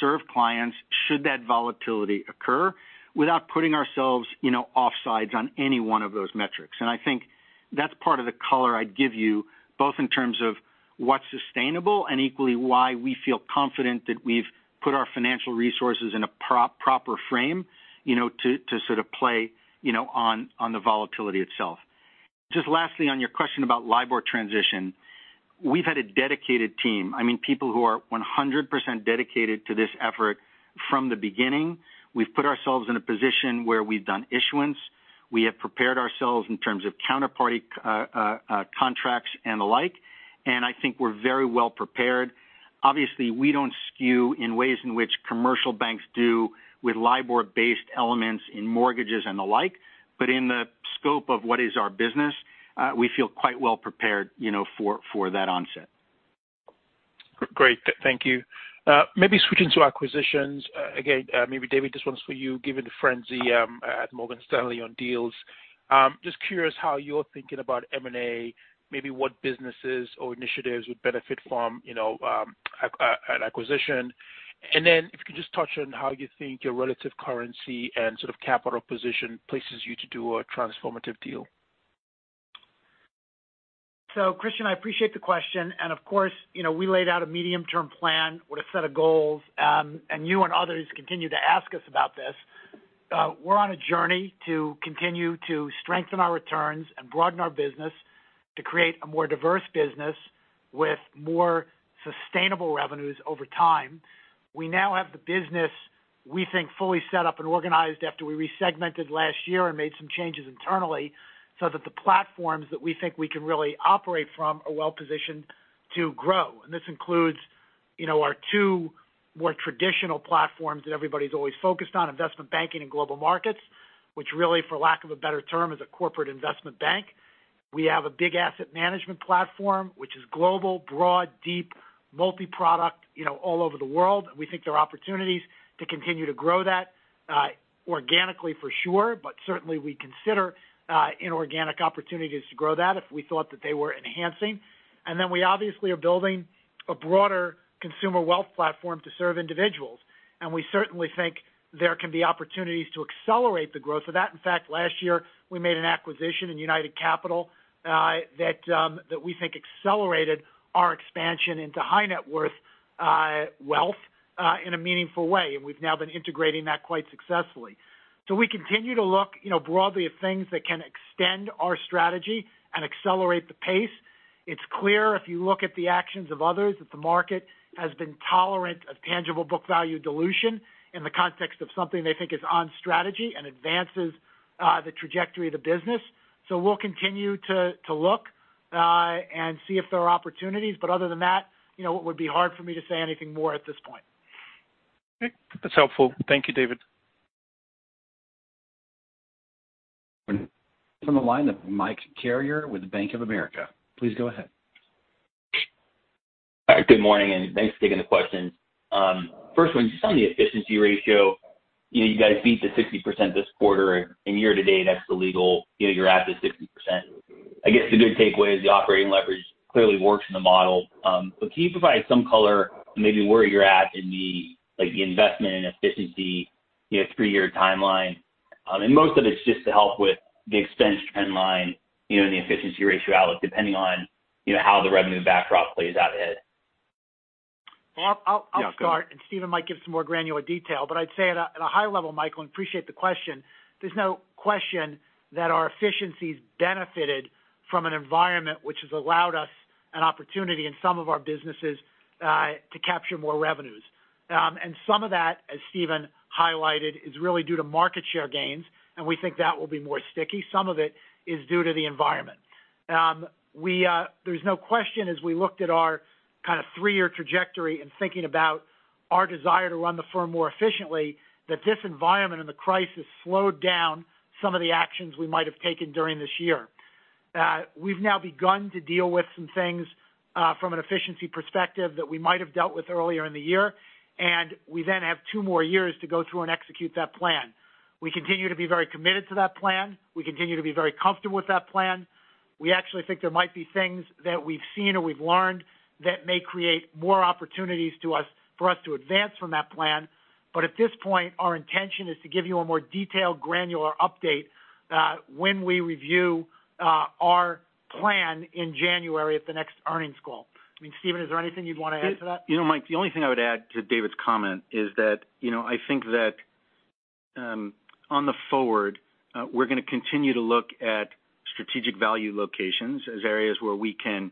serve clients should that volatility occur without putting ourselves offsides on any one of those metrics. I think that's part of the color I'd give you, both in terms of what's sustainable and equally why we feel confident that we've put our financial resources in a proper frame to sort of play on the volatility itself. Just lastly, on your question about LIBOR transition, we've had a dedicated team. I mean, people who are 100% dedicated to this effort from the beginning. We've put ourselves in a position where we've done issuance. We have prepared ourselves in terms of counterparty contracts and the like, and I think we're very well prepared. Obviously, we don't skew in ways in which commercial banks do with LIBOR-based elements in mortgages and the like. In the scope of what is our business, we feel quite well prepared for that onset. Great. Thank you. Maybe switching to acquisitions. Again, maybe David, this one's for you, given the frenzy at Morgan Stanley on deals. Just curious how you're thinking about M&A, maybe what businesses or initiatives would benefit from an acquisition. If you could just touch on how you think your relative currency and sort of capital position places you to do a transformative deal. Christian, I appreciate the question, and of course, we laid out a medium-term plan with a set of goals. You and others continue to ask us about this. We're on a journey to continue to strengthen our returns and broaden our business to create a more diverse business with more sustainable revenues over time. We now have the business, we think, fully set up and organized after we resegmented last year and made some changes internally so that the platforms that we think we can really operate from are well-positioned to grow. This includes our two more traditional platforms that everybody's always focused on, Investment Banking and Global Markets, which really, for lack of a better term, is a corporate investment bank. We have a big Asset Management platform, which is global, broad, deep, multi-product all over the world. We think there are opportunities to continue to grow that organically for sure, but certainly we consider inorganic opportunities to grow that if we thought that they were enhancing. Then we obviously are building a broader Consumer Wealth platform to serve individuals, and we certainly think there can be opportunities to accelerate the growth of that. In fact, last year we made an acquisition in United Capital that we think accelerated our expansion into high-net-worth wealth in a meaningful way, and we've now been integrating that quite successfully. We continue to look broadly at things that can extend our strategy and accelerate the pace. It's clear if you look at the actions of others, that the market has been tolerant of tangible book value dilution in the context of something they think is on strategy and advances the trajectory of the business. We'll continue to look and see if there are opportunities, but other than that, it would be hard for me to say anything more at this point. Okay. That's helpful. Thank you, David. From the line of Mike Carrier with Bank of America. Please go ahead. Hi, good morning, and thanks for taking the question. First one, just on the efficiency ratio. You guys beat the 60% this quarter and year to date, that's the level, you're at the 60%. I guess the good takeaway is the operating leverage clearly works in the model. Can you provide some color maybe where you're at in the investment and efficiency three-year timeline? Most of it's just to help with the expense trend line, and the efficiency ratio outlook, depending on how the revenue backdrop plays out ahead. I'll start, and Stephen might give some more granular detail. I'd say at a high level, Michael, and appreciate the question, there's no question that our efficiencies benefited from an environment which has allowed us an opportunity in some of our businesses to capture more revenues. Some of that, as Stephen highlighted, is really due to market share gains, and we think that will be more sticky. Some of it is due to the environment. There's no question, as we looked at our kind of three-year trajectory in thinking about our desire to run the firm more efficiently, that this environment and the crisis slowed down some of the actions we might have taken during this year. We've now begun to deal with some things from an efficiency perspective that we might have dealt with earlier in the year, and we then have two more years to go through and execute that plan. We continue to be very committed to that plan. We continue to be very comfortable with that plan. We actually think there might be things that we've seen or we've learned that may create more opportunities for us to advance from that plan. At this point, our intention is to give you a more detailed, granular update when we review our plan in January at the next earnings call. I mean, Stephen, is there anything you'd want to add to that? Mike, the only thing I would add to David's comment is that I think that on the forward, we're going to continue to look at strategic value locations as areas where we can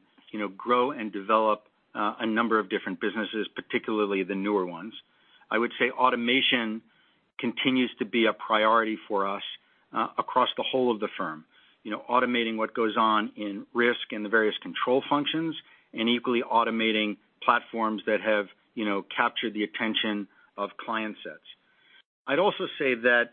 grow and develop a number of different businesses, particularly the newer ones. I would say automation continues to be a priority for us across the whole of the firm. Automating what goes on in risk and the various control functions, and equally automating platforms that have captured the attention of client sets. I'd also say that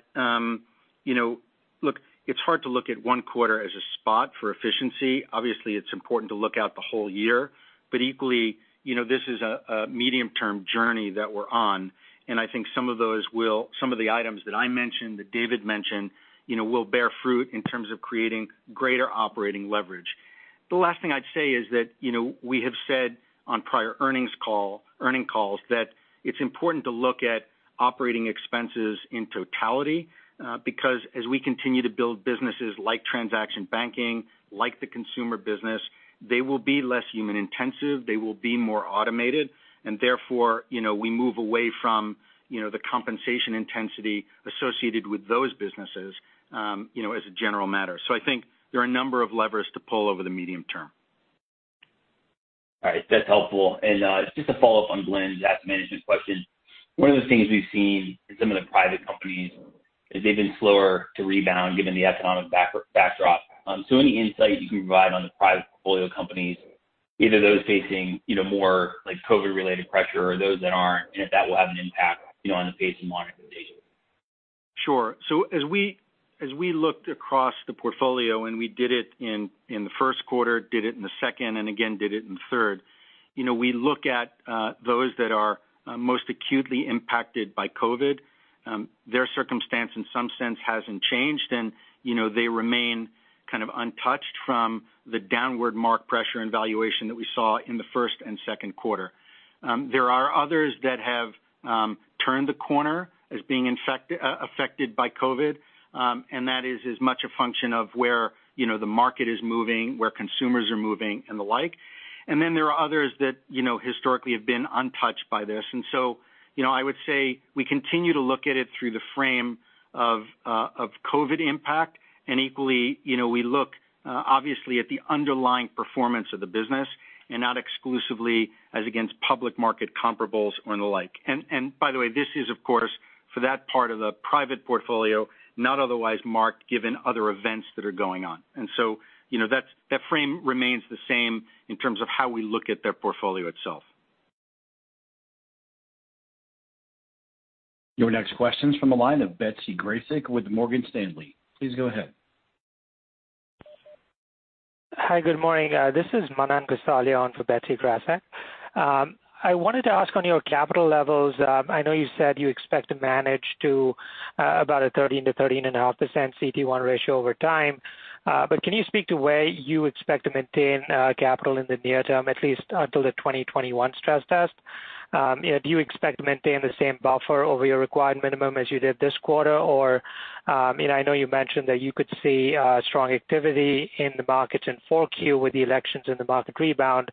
it's hard to look at one quarter as a spot for efficiency. Obviously, it's important to look out the whole year, but equally, this is a medium-term journey that we're on, and I think some of the items that I mentioned, that David mentioned, will bear fruit in terms of creating greater operating leverage. The last thing I'd say is that we have said on prior earning calls that it's important to look at operating expenses in totality because as we continue to build businesses like transaction banking, like the Consumer business, they will be less human intensive, they will be more automated, and therefore, we move away from the compensation intensity associated with those businesses as a general matter. I think there are a number of levers to pull over the medium term. All right. That's helpful. Just a follow-up on Glenn's asset management question. One of the things we've seen in some of the private companies is they've been slower to rebound given the economic backdrop. Any insight you can provide on the private portfolio companies? either those facing more COVID-related pressure or those that aren't, and if that will have an impact on the pace of monetization. Sure. As we looked across the portfolio, and we did it in the first quarter, did it in the second, and again did it in the third. We look at those that are most acutely impacted by COVID. Their circumstance, in some sense, hasn't changed, and they remain kind of untouched from the downward mark pressure and valuation that we saw in the first and second quarter. There are others that have turned the corner as being affected by COVID, and that is as much a function of where the market is moving, where consumers are moving, and the like. Then there are others that historically have been untouched by this. I would say we continue to look at it through the frame of COVID impact, and equally, we look obviously at the underlying performance of the business and not exclusively as against public market comparables or the like. By the way, this is, of course, for that part of the private portfolio, not otherwise marked given other events that are going on. That frame remains the same in terms of how we look at their portfolio itself. Your next question's from the line of Betsy Graseck with Morgan Stanley. Please go ahead. Hi, good morning. This is Manan Gosalia on for Betsy Graseck. I wanted to ask on your capital levels. I know you said you expect to manage to about a 13%-13.5% CET1 ratio over time. Can you speak to where you expect to maintain capital in the near term, at least until the 2021 stress test? Do you expect to maintain the same buffer over your required minimum as you did this quarter or, I know you mentioned that you could see strong activity in the markets in 4Q with the elections and the market rebound.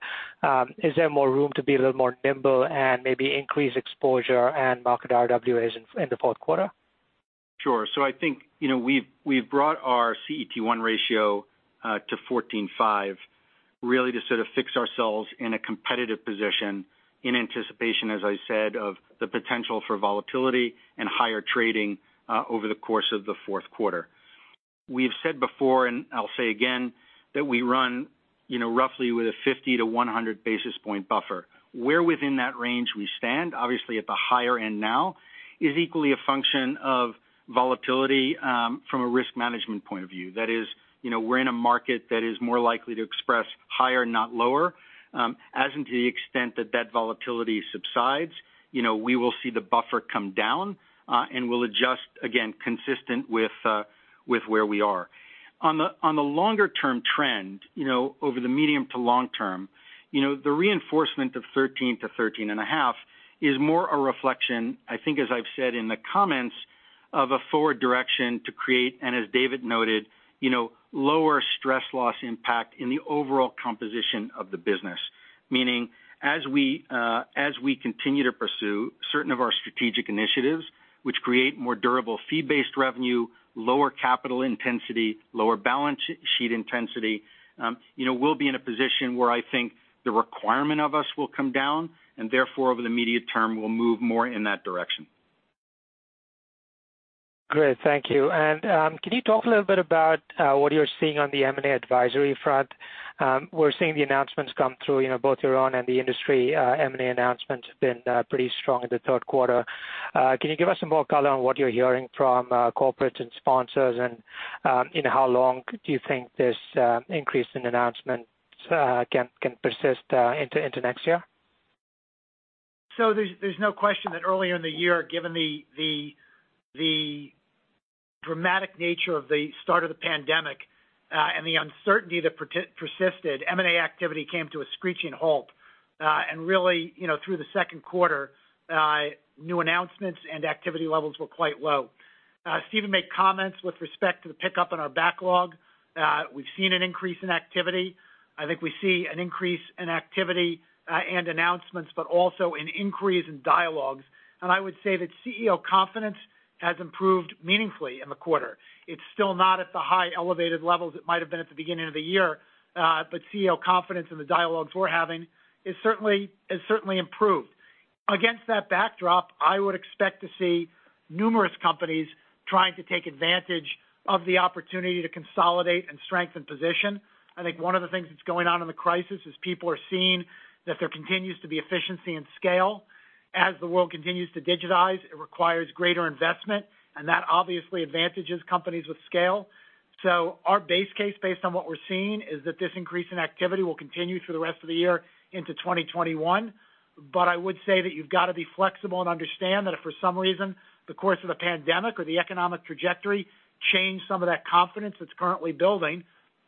Is there more room to be a little more nimble and maybe increase exposure and market RWAs in the fourth quarter? Sure. I think we've brought our CET1 ratio to 14.5, really to sort of fix ourselves in a competitive position in anticipation, as I said, of the potential for volatility and higher trading over the course of the fourth quarter. We've said before, and I'll say again, that we run roughly with a 50 to 100 basis point buffer. Where within that range we stand, obviously at the higher end now, is equally a function of volatility from a risk management point of view. That is, we're in a market that is more likely to express higher, not lower. As and to the extent that that volatility subsides, we will see the buffer come down, and we'll adjust again, consistent with where we are. On the longer-term trend over the medium to long term, the reinforcement of 13-13.5 is more a reflection, I think as I've said in the comments, of a forward direction to create, and as David noted, lower stress loss impact in the overall composition of the business. Meaning, as we continue to pursue certain of our strategic initiatives which create more durable fee-based revenue, lower capital intensity, lower balance sheet intensity, we'll be in a position where I think the requirement of us will come down and therefore over the immediate term, we'll move more in that direction. Great. Thank you. Can you talk a little bit about what you're seeing on the M&A advisory front? We're seeing the announcements come through both your own and the industry M&A announcements have been pretty strong in the third quarter. Can you give us some more color on what you're hearing from corporates and sponsors, and how long do you think this increase in announcements can persist into next year? There's no question that earlier in the year, given the dramatic nature of the start of the pandemic, and the uncertainty that persisted, M&A activity came to a screeching halt. Really through the second quarter, new announcements and activity levels were quite low. Stephen made comments with respect to the pickup in our backlog. We've seen an increase in activity. I think we see an increase in activity and announcements, but also an increase in dialogues. I would say that CEO confidence has improved meaningfully in the quarter. It's still not at the high elevated levels it might've been at the beginning of the year. CEO confidence in the dialogues we're having has certainly improved. Against that backdrop, I would expect to see numerous companies trying to take advantage of the opportunity to consolidate and strengthen position. I think one of the things that's going on in the crisis is people are seeing that there continues to be efficiency and scale. As the world continues to digitize, it requires greater investment, and that obviously advantages companies with scale. Our base case, based on what we're seeing, is that this increase in activity will continue through the rest of the year into 2021. I would say that you've got to be flexible and understand that if for some reason the course of the pandemic or the economic trajectory change some of that confidence that's currently building,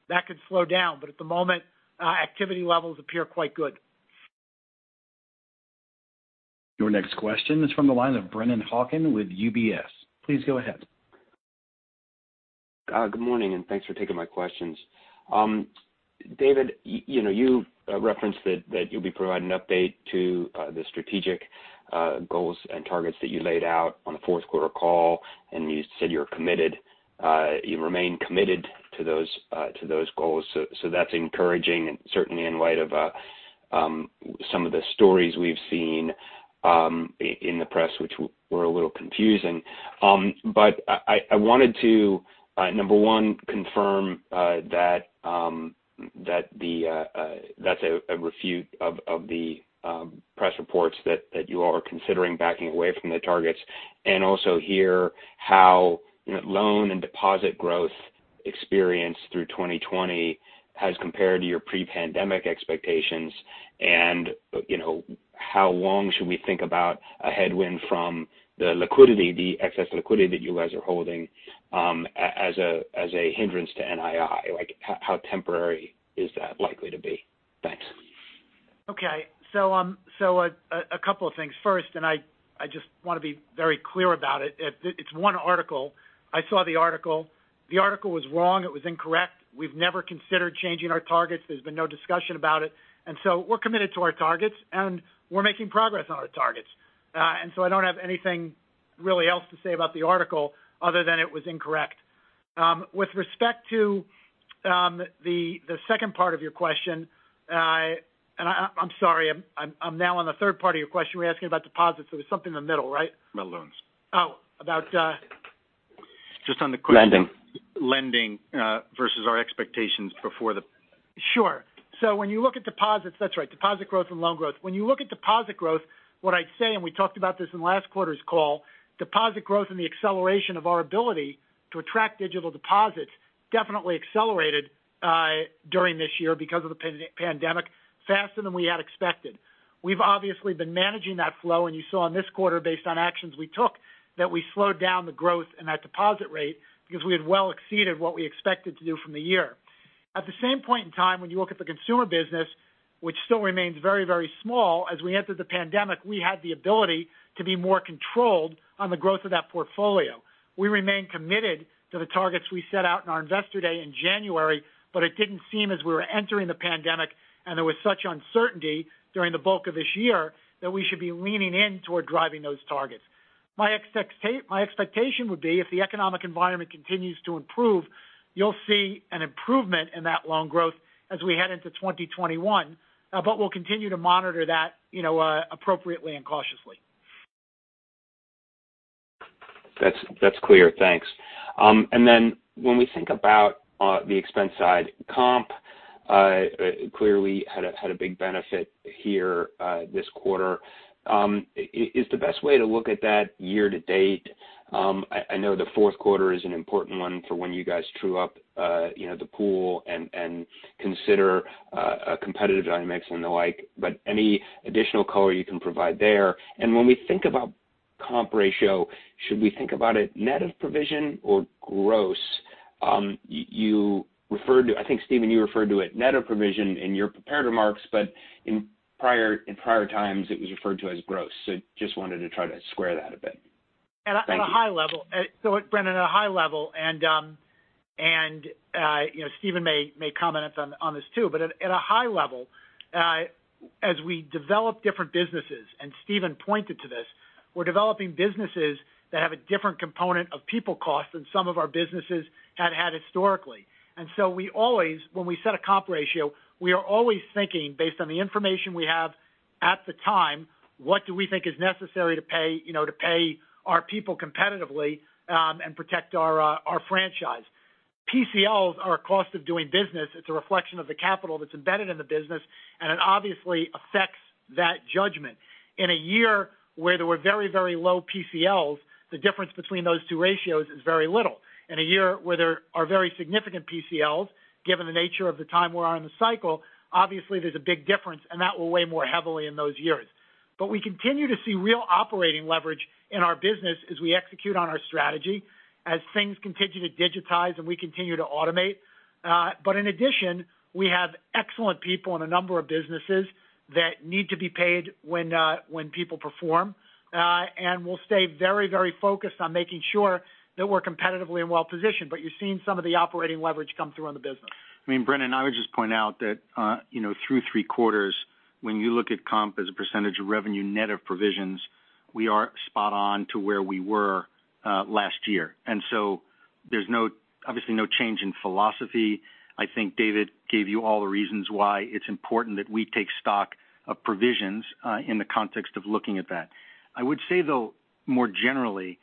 that could slow down. At the moment, activity levels appear quite good. Your next question is from the line of Brennan Hawken with UBS. Please go ahead. Good morning, and thanks for taking my questions. David, you referenced that you'll be providing an update to the strategic goals and targets that you laid out on the fourth quarter call, and you said you remain committed to those goals. That's encouraging and certainly in light of some of the stories we've seen in the press which were a little confusing. I wanted to, number one, confirm that's a refute of the press reports that you all are considering backing away from the targets. Also hear how loan and deposit growth experience through 2020 has compared to your pre-pandemic expectations, and how long should we think about a headwind from the excess liquidity that you guys are holding as a hindrance to NII? Like how temporary is that likely to be? Thanks. Okay. A couple of things. First, I just want to be very clear about it. It's one article. I saw the article. The article was wrong. It was incorrect. We've never considered changing our targets. There's been no discussion about it. We're committed to our targets, and we're making progress on our targets. I don't have anything really else to say about the article other than it was incorrect. With respect to the second part of your question, I'm sorry, I'm now on the third part of your question. Were you asking about deposits? There was something in the middle, right? About loans. Oh. Just on the- Lending. lending versus our expectations before. Sure. When you look at deposits, that's right, deposit growth and loan growth. When you look at deposit growth, what I'd say, and we talked about this in last quarter's call, deposit growth and the acceleration of our ability to attract digital deposits definitely accelerated during this year because of the pandemic faster than we had expected. We've obviously been managing that flow, and you saw in this quarter, based on actions we took, that we slowed down the growth in that deposit rate because we had well exceeded what we expected to do from the year. At the same point in time, when you look at the Consumer business, which still remains very, very small, as we entered the pandemic, we had the ability to be more controlled on the growth of that portfolio. We remain committed to the targets we set out in our Investor Day in January, it didn't seem as we were entering the pandemic, and there was such uncertainty during the bulk of this year that we should be leaning in toward driving those targets. My expectation would be if the economic environment continues to improve, you'll see an improvement in that loan growth as we head into 2021. We'll continue to monitor that appropriately and cautiously. That's clear. Thanks. When we think about the expense side comp, clearly had a big benefit here this quarter. Is the best way to look at that year to date? I know the fourth quarter is an important one for when you guys true up the pool and consider competitive dynamics and the like, but any additional color you can provide there. When we think about comp ratio, should we think about it net of provision or gross? I think, Stephen, you referred to it net of provision in your prepared remarks, but in prior times it was referred to as gross. Just wanted to try to square that a bit. Thank you. Brennan, at a high level, and Stephen may comment on this too, but at a high level, as we develop different businesses, and Stephen pointed to this, we're developing businesses that have a different component of people cost than some of our businesses had had historically. When we set a comp ratio, we are always thinking based on the information we have at the time, what do we think is necessary to pay our people competitively, and protect our franchise. PCLs are a cost of doing business. It's a reflection of the capital that's embedded in the business, and it obviously affects that judgment. In a year where there were very low PCLs, the difference between those two ratios is very little. In a year where there are very significant PCLs, given the nature of the time we're on in the cycle, obviously there's a big difference, and that will weigh more heavily in those years. We continue to see real operating leverage in our business as we execute on our strategy, as things continue to digitize, and we continue to automate. In addition, we have excellent people in a number of businesses that need to be paid when people perform. We'll stay very focused on making sure that we're competitively and well-positioned. You're seeing some of the operating leverage come through on the business. Brennan, I would just point out that through three quarters, when you look at comp as a percentage of revenue net of provisions, we are spot on to where we were last year. There's obviously no change in philosophy. I think David gave you all the reasons why it's important that we take stock of provisions in the context of looking at that. I would say, though, more generally,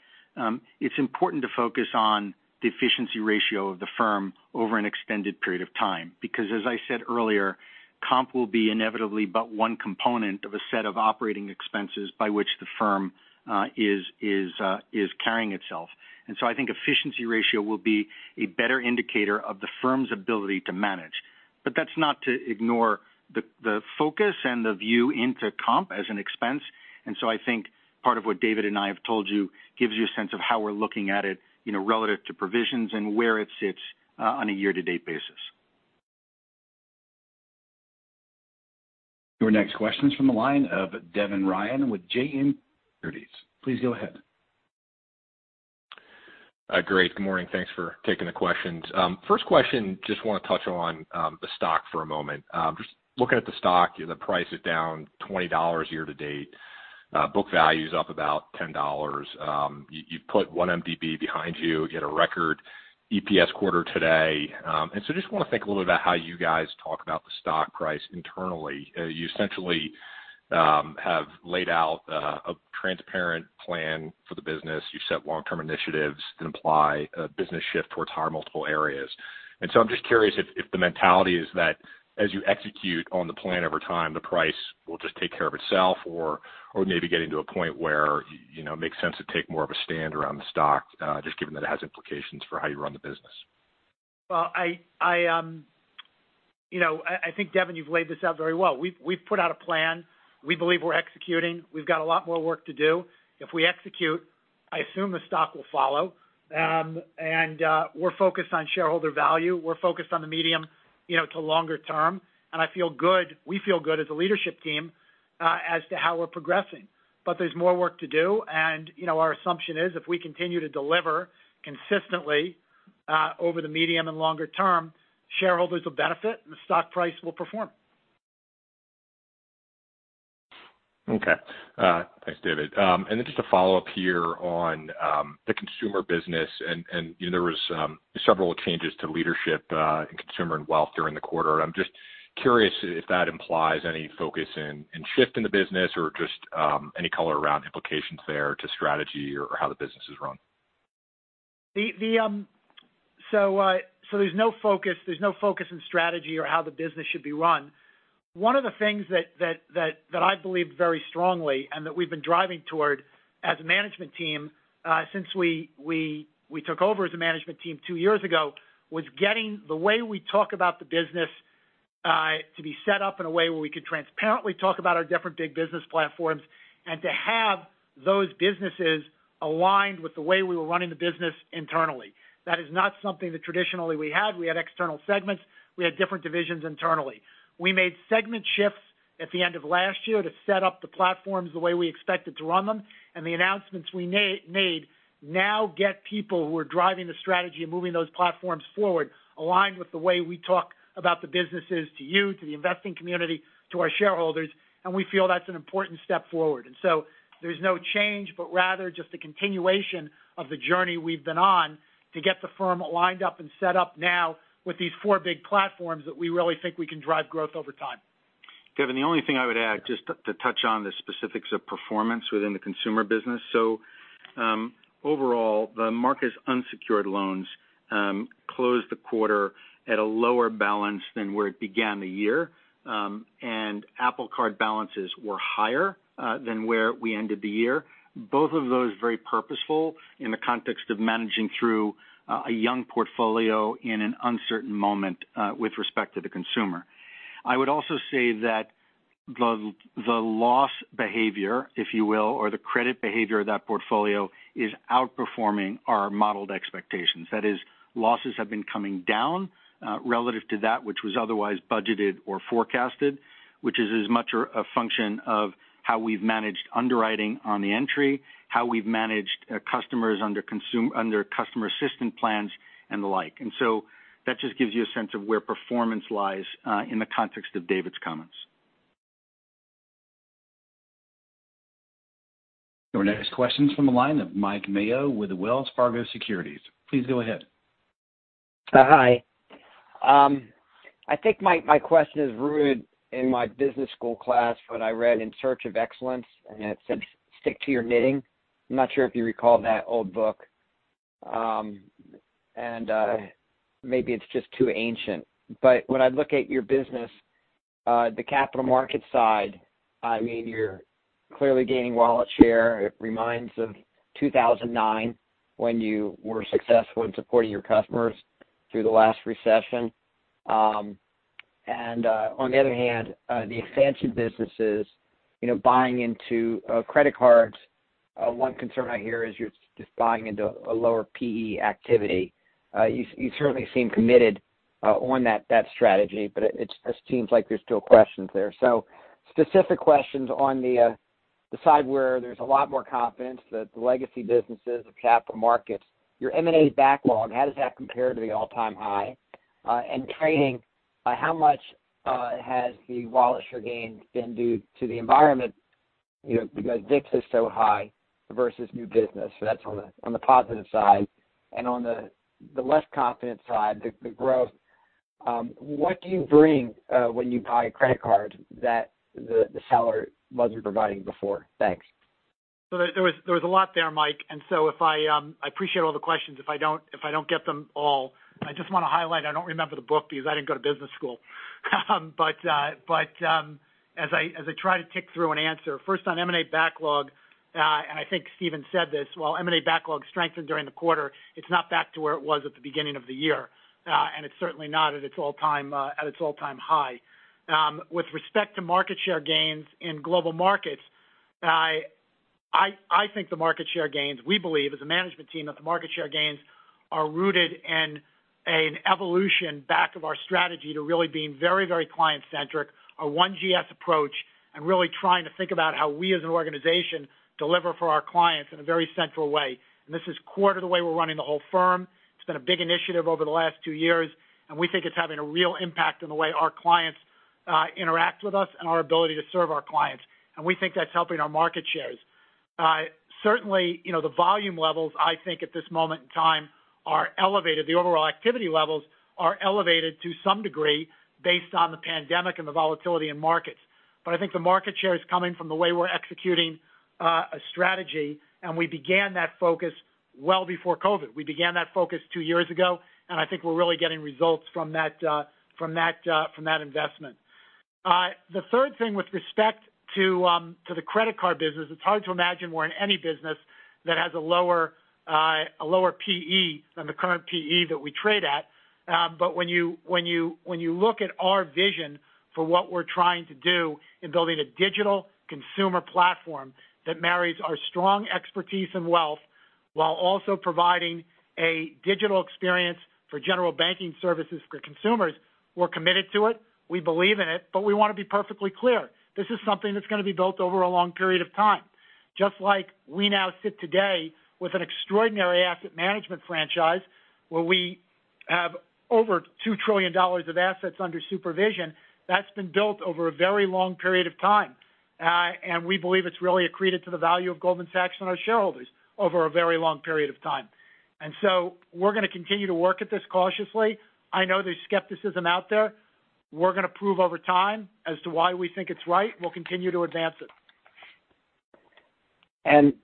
it's important to focus on the efficiency ratio of the firm over an extended period of time. As I said earlier, comp will be inevitably but one component of a set of operating expenses by which the firm is carrying itself. I think efficiency ratio will be a better indicator of the firm's ability to manage. That's not to ignore the focus and the view into comp as an expense. I think part of what David and I have told you gives you a sense of how we're looking at it relative to provisions and where it sits on a year-to-date basis. Your next question is from the line of Devin Ryan with JMP Securities. Please go ahead. Great. Good morning. Thanks for taking the questions. First question, just want to touch on the stock for a moment. Just looking at the stock, the price is down $20 year-to-date. Book value's up about $10. You put one 1MDB behind you, get a record EPS quarter today. Just want to think a little bit about how you guys talk about the stock price internally. You essentially have laid out a transparent plan for the business. You've set long-term initiatives that imply a business shift towards higher multiple areas. I'm just curious if the mentality is that as you execute on the plan over time, the price will just take care of itself or maybe getting to a point where it makes sense to take more of a stand around the stock, just given that it has implications for how you run the business. I think Devin, you've laid this out very well. We've put out a plan. We believe we're executing. We've got a lot more work to do. If we execute, I assume the stock will follow. We're focused on shareholder value. We're focused on the medium to longer term, and we feel good as a leadership team as to how we're progressing. There's more work to do, and our assumption is if we continue to deliver consistently over the medium and longer term, shareholders will benefit, and the stock price will perform. Okay. Thanks, David. Then just a follow-up here on the Consumer business, and there were several changes to leadership in Consumer and Wealth during the quarter. I'm just curious if that implies any focus in shift in the business or just any color around implications there to strategy or how the business is run? There's no focus in strategy or how the business should be run. One of the things that I believe very strongly and that we've been driving toward as a management team since we took over as a management team two years ago, was getting the way we talk about the business to be set up in a way where we could transparently talk about our different big business platforms and to have those businesses aligned with the way we were running the business internally. That is not something that traditionally we had. We had external segments. We had different divisions internally. We made segment shifts at the end of last year to set up the platforms the way we expected to run them, and the announcements we made now get people who are driving the strategy and moving those platforms forward, aligned with the way we talk about the businesses to you, to the investing community, to our shareholders, and we feel that's an important step forward. There's no change, but rather just a continuation of the journey we've been on to get the firm aligned up and set up now with these four big platforms that we really think we can drive growth over time. Devin, the only thing I would add, just to touch on the specifics of performance within the Consumer business. Overall, the Marcus unsecured loans closed the quarter at a lower balance than where it began the year. Apple Card balances were higher than where we ended the year. Both of those very purposeful in the context of managing through a young portfolio in an uncertain moment with respect to the Consumer. I would also say that the loss behavior, if you will, or the credit behavior of that portfolio is outperforming our modeled expectations. That is, losses have been coming down relative to that which was otherwise budgeted or forecasted, which is as much a function of how we've managed underwriting on the entry, how we've managed customers under customer assistant plans and the like. That just gives you a sense of where performance lies in the context of David's comments. Your next question's from the line of Mike Mayo with Wells Fargo Securities. Please go ahead. Hi. I think my question is rooted in my business school class when I read In Search of Excellence, it said, Stick to your knitting. I'm not sure if you recall that old book. Maybe it's just too ancient. When I look at your business, the capital markets side, you're clearly gaining wallet share. It reminds of 2009 when you were successful in supporting your customers through the last recession. On the other hand, the expansion businesses, buying into credit cards, one concern I hear is you're just buying into a lower P/E activity. You certainly seem committed on that strategy, it seems like there's still questions there. Specific questions on the side where there's a lot more confidence that the legacy businesses of capital markets, your M&A backlog, how does that compare to the all-time high? Trading, how much has the wallet share gains been due to the environment because VIX is so high versus new business? That's on the positive side. On the less confident side, the growth, what do you bring when you buy a credit card that the seller wasn't providing before? Thanks. There was a lot there, Mike, and so I appreciate all the questions if I don't get them all. I just want to highlight, I don't remember the book because I didn't go to business school. As I try to tick through and answer, first on M&A backlog, and I think Stephen said this, while M&A backlog strengthened during the quarter, it's not back to where it was at the beginning of the year. It's certainly not at its all-time high. With respect to market share gains in global markets, I think the market share gains, we believe as a management team, that the market share gains are rooted in an evolution back of our strategy to really being very client-centric, our One GS approach, and really trying to think about how we as an organization deliver for our clients in a very central way. This is core to the way we're running the whole firm. It's been a big initiative over the last two years. We think it's having a real impact on the way our clients interact with us and our ability to serve our clients. We think that's helping our market shares. Certainly, the volume levels, I think at this moment in time, are elevated. The overall activity levels are elevated to some degree based on the pandemic and the volatility in markets. I think the market share is coming from the way we're executing a strategy, and we began that focus well before COVID-19. We began that focus two years ago, and I think we're really getting results from that investment. The third thing with respect to the credit card business, it's hard to imagine we're in any business that has a lower P/E than the current P/E that we trade at. When you look at our vision for what we're trying to do in building a digital Consumer platform that marries our strong expertise in Wealth while also providing a digital experience for general banking services for consumers, we're committed to it, we believe in it, but we want to be perfectly clear. This is something that's going to be built over a long period of time. Just like we now sit today with an extraordinary asset management franchise where we have over $2 trillion of assets under supervision, that's been built over a very long period of time. We believe it's really accreted to the value of Goldman Sachs and our shareholders over a very long period of time. We're going to continue to work at this cautiously. I know there's skepticism out there. We're going to prove over time as to why we think it's right, and we'll continue to advance it.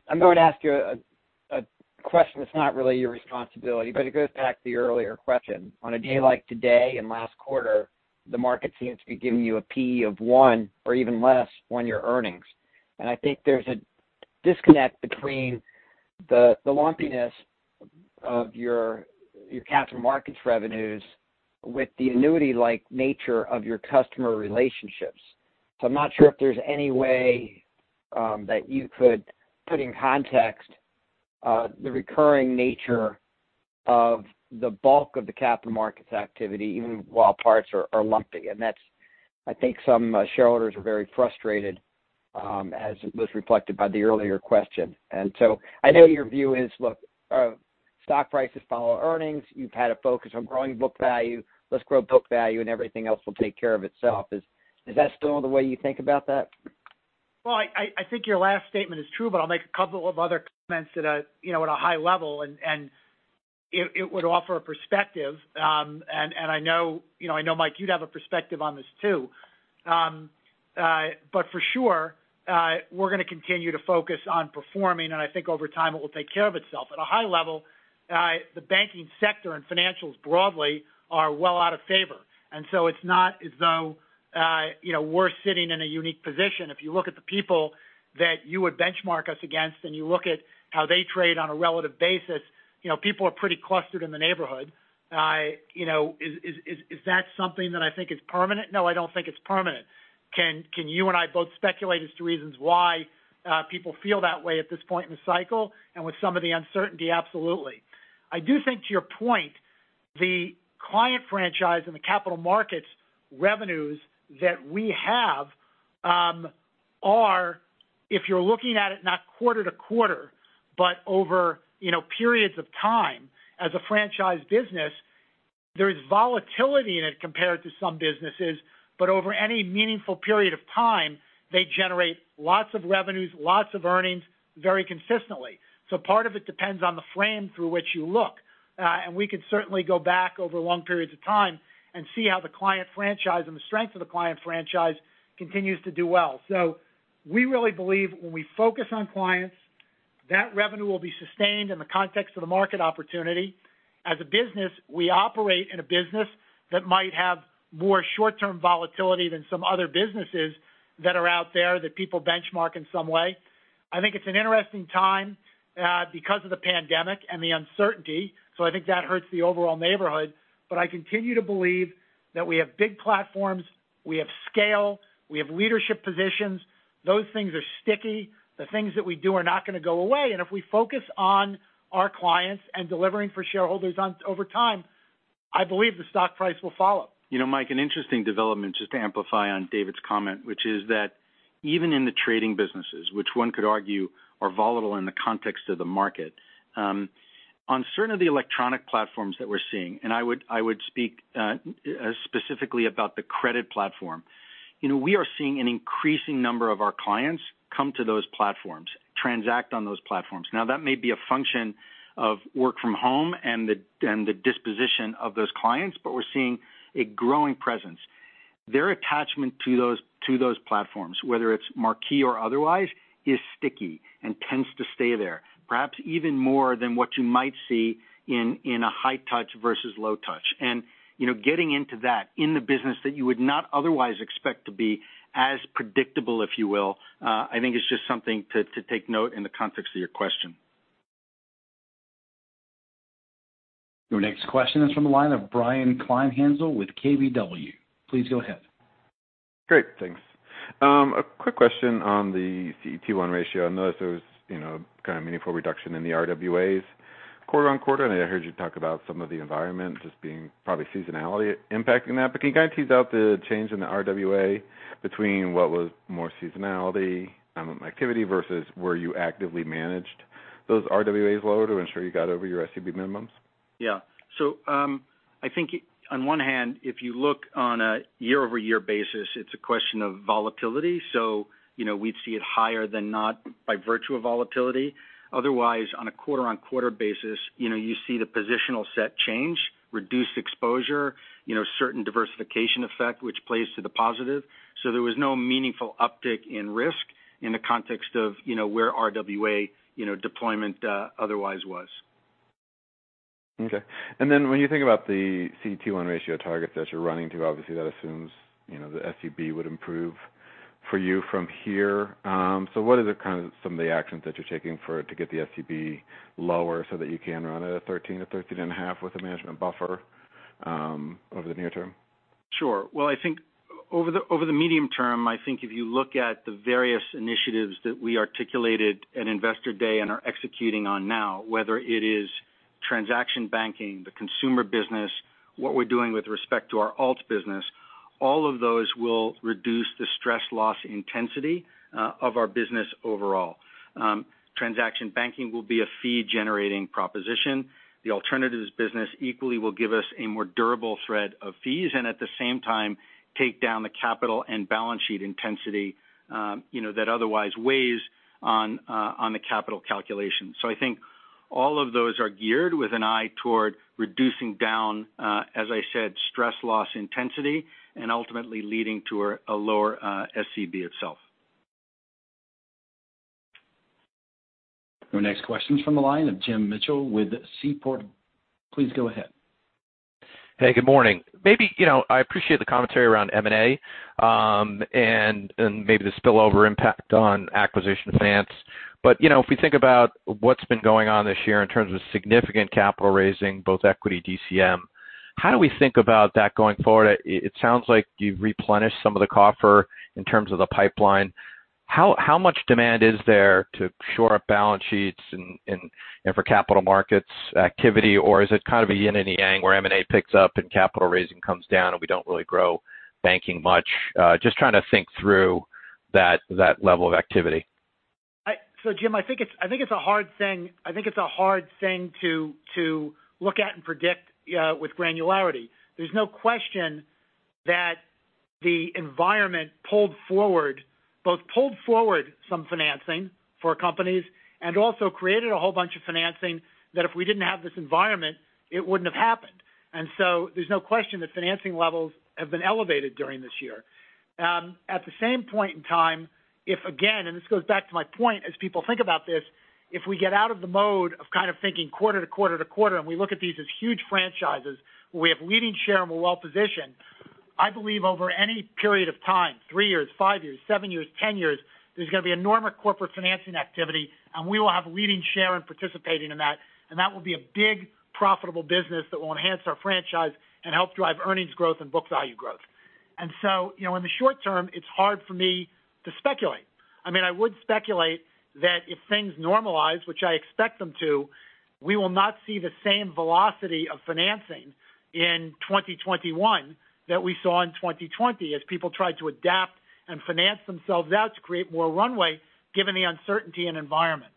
I'm going to ask you a question that's not really your responsibility, but it goes back to the earlier question. On a day like today and last quarter, the market seems to be giving you a P/E of one or even less on your earnings. I think there's a disconnect between the lumpiness of your capital markets revenues with the annuity-like nature of your customer relationships. I'm not sure if there's any way that you could put in context the recurring nature. Of the bulk of the capital markets activity, even while parts are lumpy. That's, I think some shareholders are very frustrated, as was reflected by the earlier question. I know your view is, look, stock prices follow earnings. You've had a focus on growing book value. Let's grow book value, and everything else will take care of itself. Is that still the way you think about that? Well, I think your last statement is true, but I'll make a couple of other comments at a high level, and it would offer a perspective. I know, Mike, you'd have a perspective on this too. For sure, we're going to continue to focus on performing, and I think over time it will take care of itself. At a high level, the banking sector and Financials broadly are well out of favor. It's not as though we're sitting in a unique position. If you look at the people that you would benchmark us against, and you look at how they trade on a relative basis, people are pretty clustered in the neighborhood. Is that something that I think is permanent? No, I don't think it's permanent. Can you and I both speculate as to reasons why people feel that way at this point in the cycle and with some of the uncertainty? Absolutely. I do think, to your point, the client franchise and the capital markets revenues that we have are, if you're looking at it not quarter to quarter, but over periods of time as a franchise business, there is volatility in it compared to some businesses. Over any meaningful period of time, they generate lots of revenues, lots of earnings, very consistently. Part of it depends on the frame through which you look. We could certainly go back over long periods of time and see how the client franchise and the strength of the client franchise continues to do well. We really believe when we focus on clients, that revenue will be sustained in the context of the market opportunity. As a business, we operate in a business that might have more short-term volatility than some other businesses that are out there that people benchmark in some way. I think it's an interesting time because of the pandemic and the uncertainty. I think that hurts the overall neighborhood. I continue to believe that we have big platforms, we have scale, we have leadership positions. Those things are sticky. The things that we do are not going to go away. If we focus on our clients and delivering for shareholders over time, I believe the stock price will follow. Mike, an interesting development, just to amplify on David's comment, which is that even in the trading businesses, which one could argue are volatile in the context of the market. On certain of the electronic platforms that we're seeing, I would speak specifically about the credit platform. We are seeing an increasing number of our clients come to those platforms, transact on those platforms. That may be a function of work from home and the disposition of those clients, but we're seeing a growing presence. Their attachment to those platforms, whether it's Marquee or otherwise, is sticky and tends to stay there, perhaps even more than what you might see in a high touch versus low touch. Getting into that in the business that you would not otherwise expect to be as predictable, if you will, I think is just something to take note in the context of your question. Your next question is from the line of Brian Kleinhanzl with KBW. Please go ahead. Great. Thanks. A quick question on the CET1 ratio. I noticed there was kind of meaningful reduction in the RWAs quarter-on-quarter, and I heard you talk about some of the environment just being probably seasonality impacting that. Can you kind of tease out the change in the RWA between what was more seasonality, activity versus were you actively managed those RWAs lower to ensure you got over your SCB minimums? Yeah. I think on one hand, if you look on a year-over-year basis, it's a question of volatility. We'd see it higher than not by virtue of volatility. Otherwise, on a quarter-on-quarter basis you see the positional set change, reduced exposure, certain diversification effect which plays to the positive. There was no meaningful uptick in risk in the context of where RWA deployment otherwise was. Okay. When you think about the CET1 ratio targets that you're running to, obviously that assumes the SCB would improve for you from here. What are kind of some of the actions that you're taking to get the SCB lower so that you can run at a 13-13.5 with a management buffer over the near term? Sure. Well, I think over the medium term, I think if you look at the various initiatives that we articulated at Investor Day and are executing on now. Whether it is transaction banking, the Consumer business, what we're doing with respect to our alts business, all of those will reduce the stress loss intensity of our business overall. Transaction banking will be a fee-generating proposition. The alternatives business equally will give us a more durable thread of fees, and at the same time take down the capital and balance sheet intensity that otherwise weighs on the capital calculation. I think all of those are geared with an eye toward reducing down, as I said, stress loss intensity and ultimately leading to a lower SCB itself. Our next question is from the line of Jim Mitchell with Seaport. Please go ahead. Hey, good morning. I appreciate the commentary around M&A, and maybe the spillover impact on acquisition finance. If we think about what's been going on this year in terms of significant capital raising, both equity, DCM, how do we think about that going forward? It sounds like you've replenished some of the coffer in terms of the pipeline. How much demand is there to shore up balance sheets and for capital markets activity? Is it kind of a yin and yang where M&A picks up and capital raising comes down and we don't really grow banking much? Just trying to think through that level of activity. Jim, I think it's a hard thing to look at and predict with granularity. There's no question that the environment both pulled forward some financing for companies and also created a whole bunch of financing that if we didn't have this environment, it wouldn't have happened. There's no question that financing levels have been elevated during this year. At the same point in time, if, again, and this goes back to my point, as people think about this, if we get out of the mode of kind of thinking quarter to quarter-to-quarter, and we look at these as huge franchises, where we have leading share and we're well-positioned. I believe over any period of time, three years, five years, seven years, 10 years, there's going to be enormous corporate financing activity, and we will have leading share in participating in that. That will be a big profitable business that will enhance our franchise and help drive earnings growth and book value growth. In the short term, it's hard for me to speculate. I would speculate that if things normalize, which I expect them to, we will not see the same velocity of financing in 2021 that we saw in 2020 as people tried to adapt and finance themselves out to create more runway given the uncertainty in environment.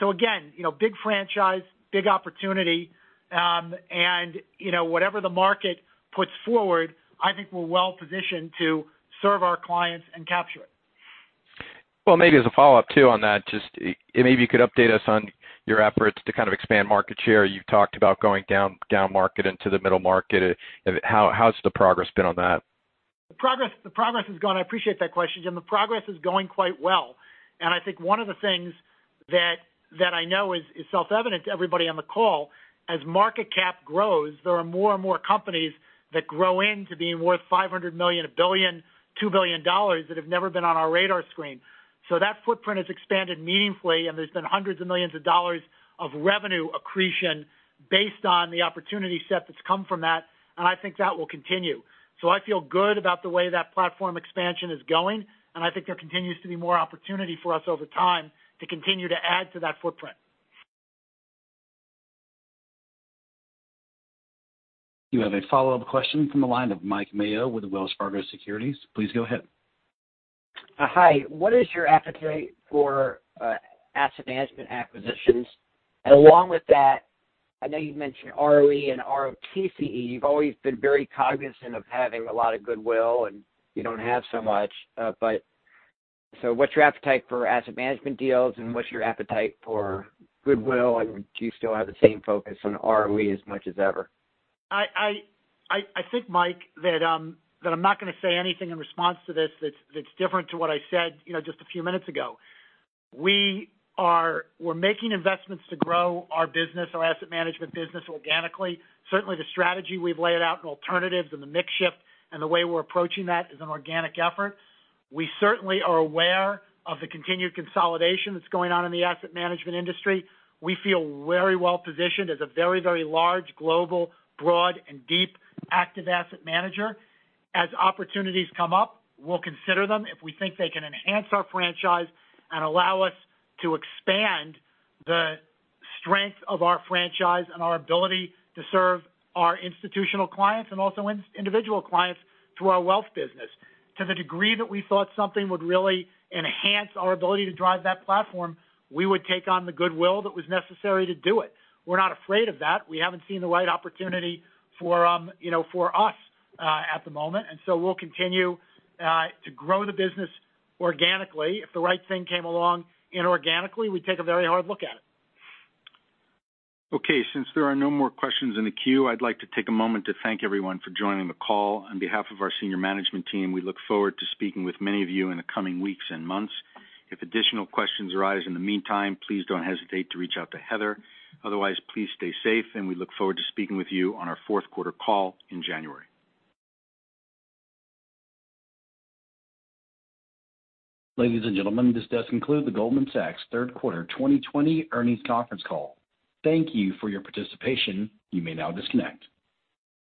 Again, big franchise, big opportunity. Whatever the market puts forward, I think we're well-positioned to serve our clients and capture it. Well, maybe as a follow-up too on that, just maybe you could update us on your efforts to kind of expand market share? You've talked about going down market into the middle market. How's the progress been on that? I appreciate that question, Jim. The progress is going quite well. I think one of the things that I know is self-evident to everybody on the call, as market cap grows, there are more and more companies that grow into being worth $500 million, $1 billion, $2 billion that have never been on our radar screen. That footprint has expanded meaningfully, and there's been hundreds of millions of dollars of revenue accretion based on the opportunity set that's come from that, and I think that will continue. I feel good about the way that platform expansion is going, and I think there continues to be more opportunity for us over time to continue to add to that footprint. You have a follow-up question from the line of Mike Mayo with Wells Fargo Securities. Please go ahead. Hi. What is your appetite for asset management acquisitions? Along with that, I know you mentioned ROE and ROTCE. You've always been very cognizant of having a lot of goodwill, and you don't have so much. What's your appetite for asset management deals, and what's your appetite for goodwill, and do you still have the same focus on ROE as much as ever? I think, Mike, that I'm not going to say anything in response to this that's different to what I said just a few minutes ago. We're making investments to grow our business, our asset management business organically. Certainly the strategy we've laid out in alternatives and the mix shift and the way we're approaching that is an organic effort. We certainly are aware of the continued consolidation that's going on in the asset management industry. We feel very well-positioned as a very large global, broad, and deep active asset manager. As opportunities come up, we'll consider them if we think they can enhance our franchise and allow us to expand the strength of our franchise and our ability to serve our institutional clients and also individual clients through our Wealth business. To the degree that we thought something would really enhance our ability to drive that platform, we would take on the goodwill that was necessary to do it. We're not afraid of that. We haven't seen the right opportunity for us at the moment. We'll continue to grow the business organically. If the right thing came along inorganically, we'd take a very hard look at it. Okay, since there are no more questions in the queue, I'd like to take a moment to thank everyone for joining the call. On behalf of our senior management team, we look forward to speaking with many of you in the coming weeks and months. If additional questions arise in the meantime, please don't hesitate to reach out to Heather. Otherwise, please stay safe, and we look forward to speaking with you on our fourth quarter call in January. Ladies and gentlemen, this does conclude the Goldman Sachs Third Quarter 2020 Earnings Conference Call. Thank you for your participation. You may now disconnect.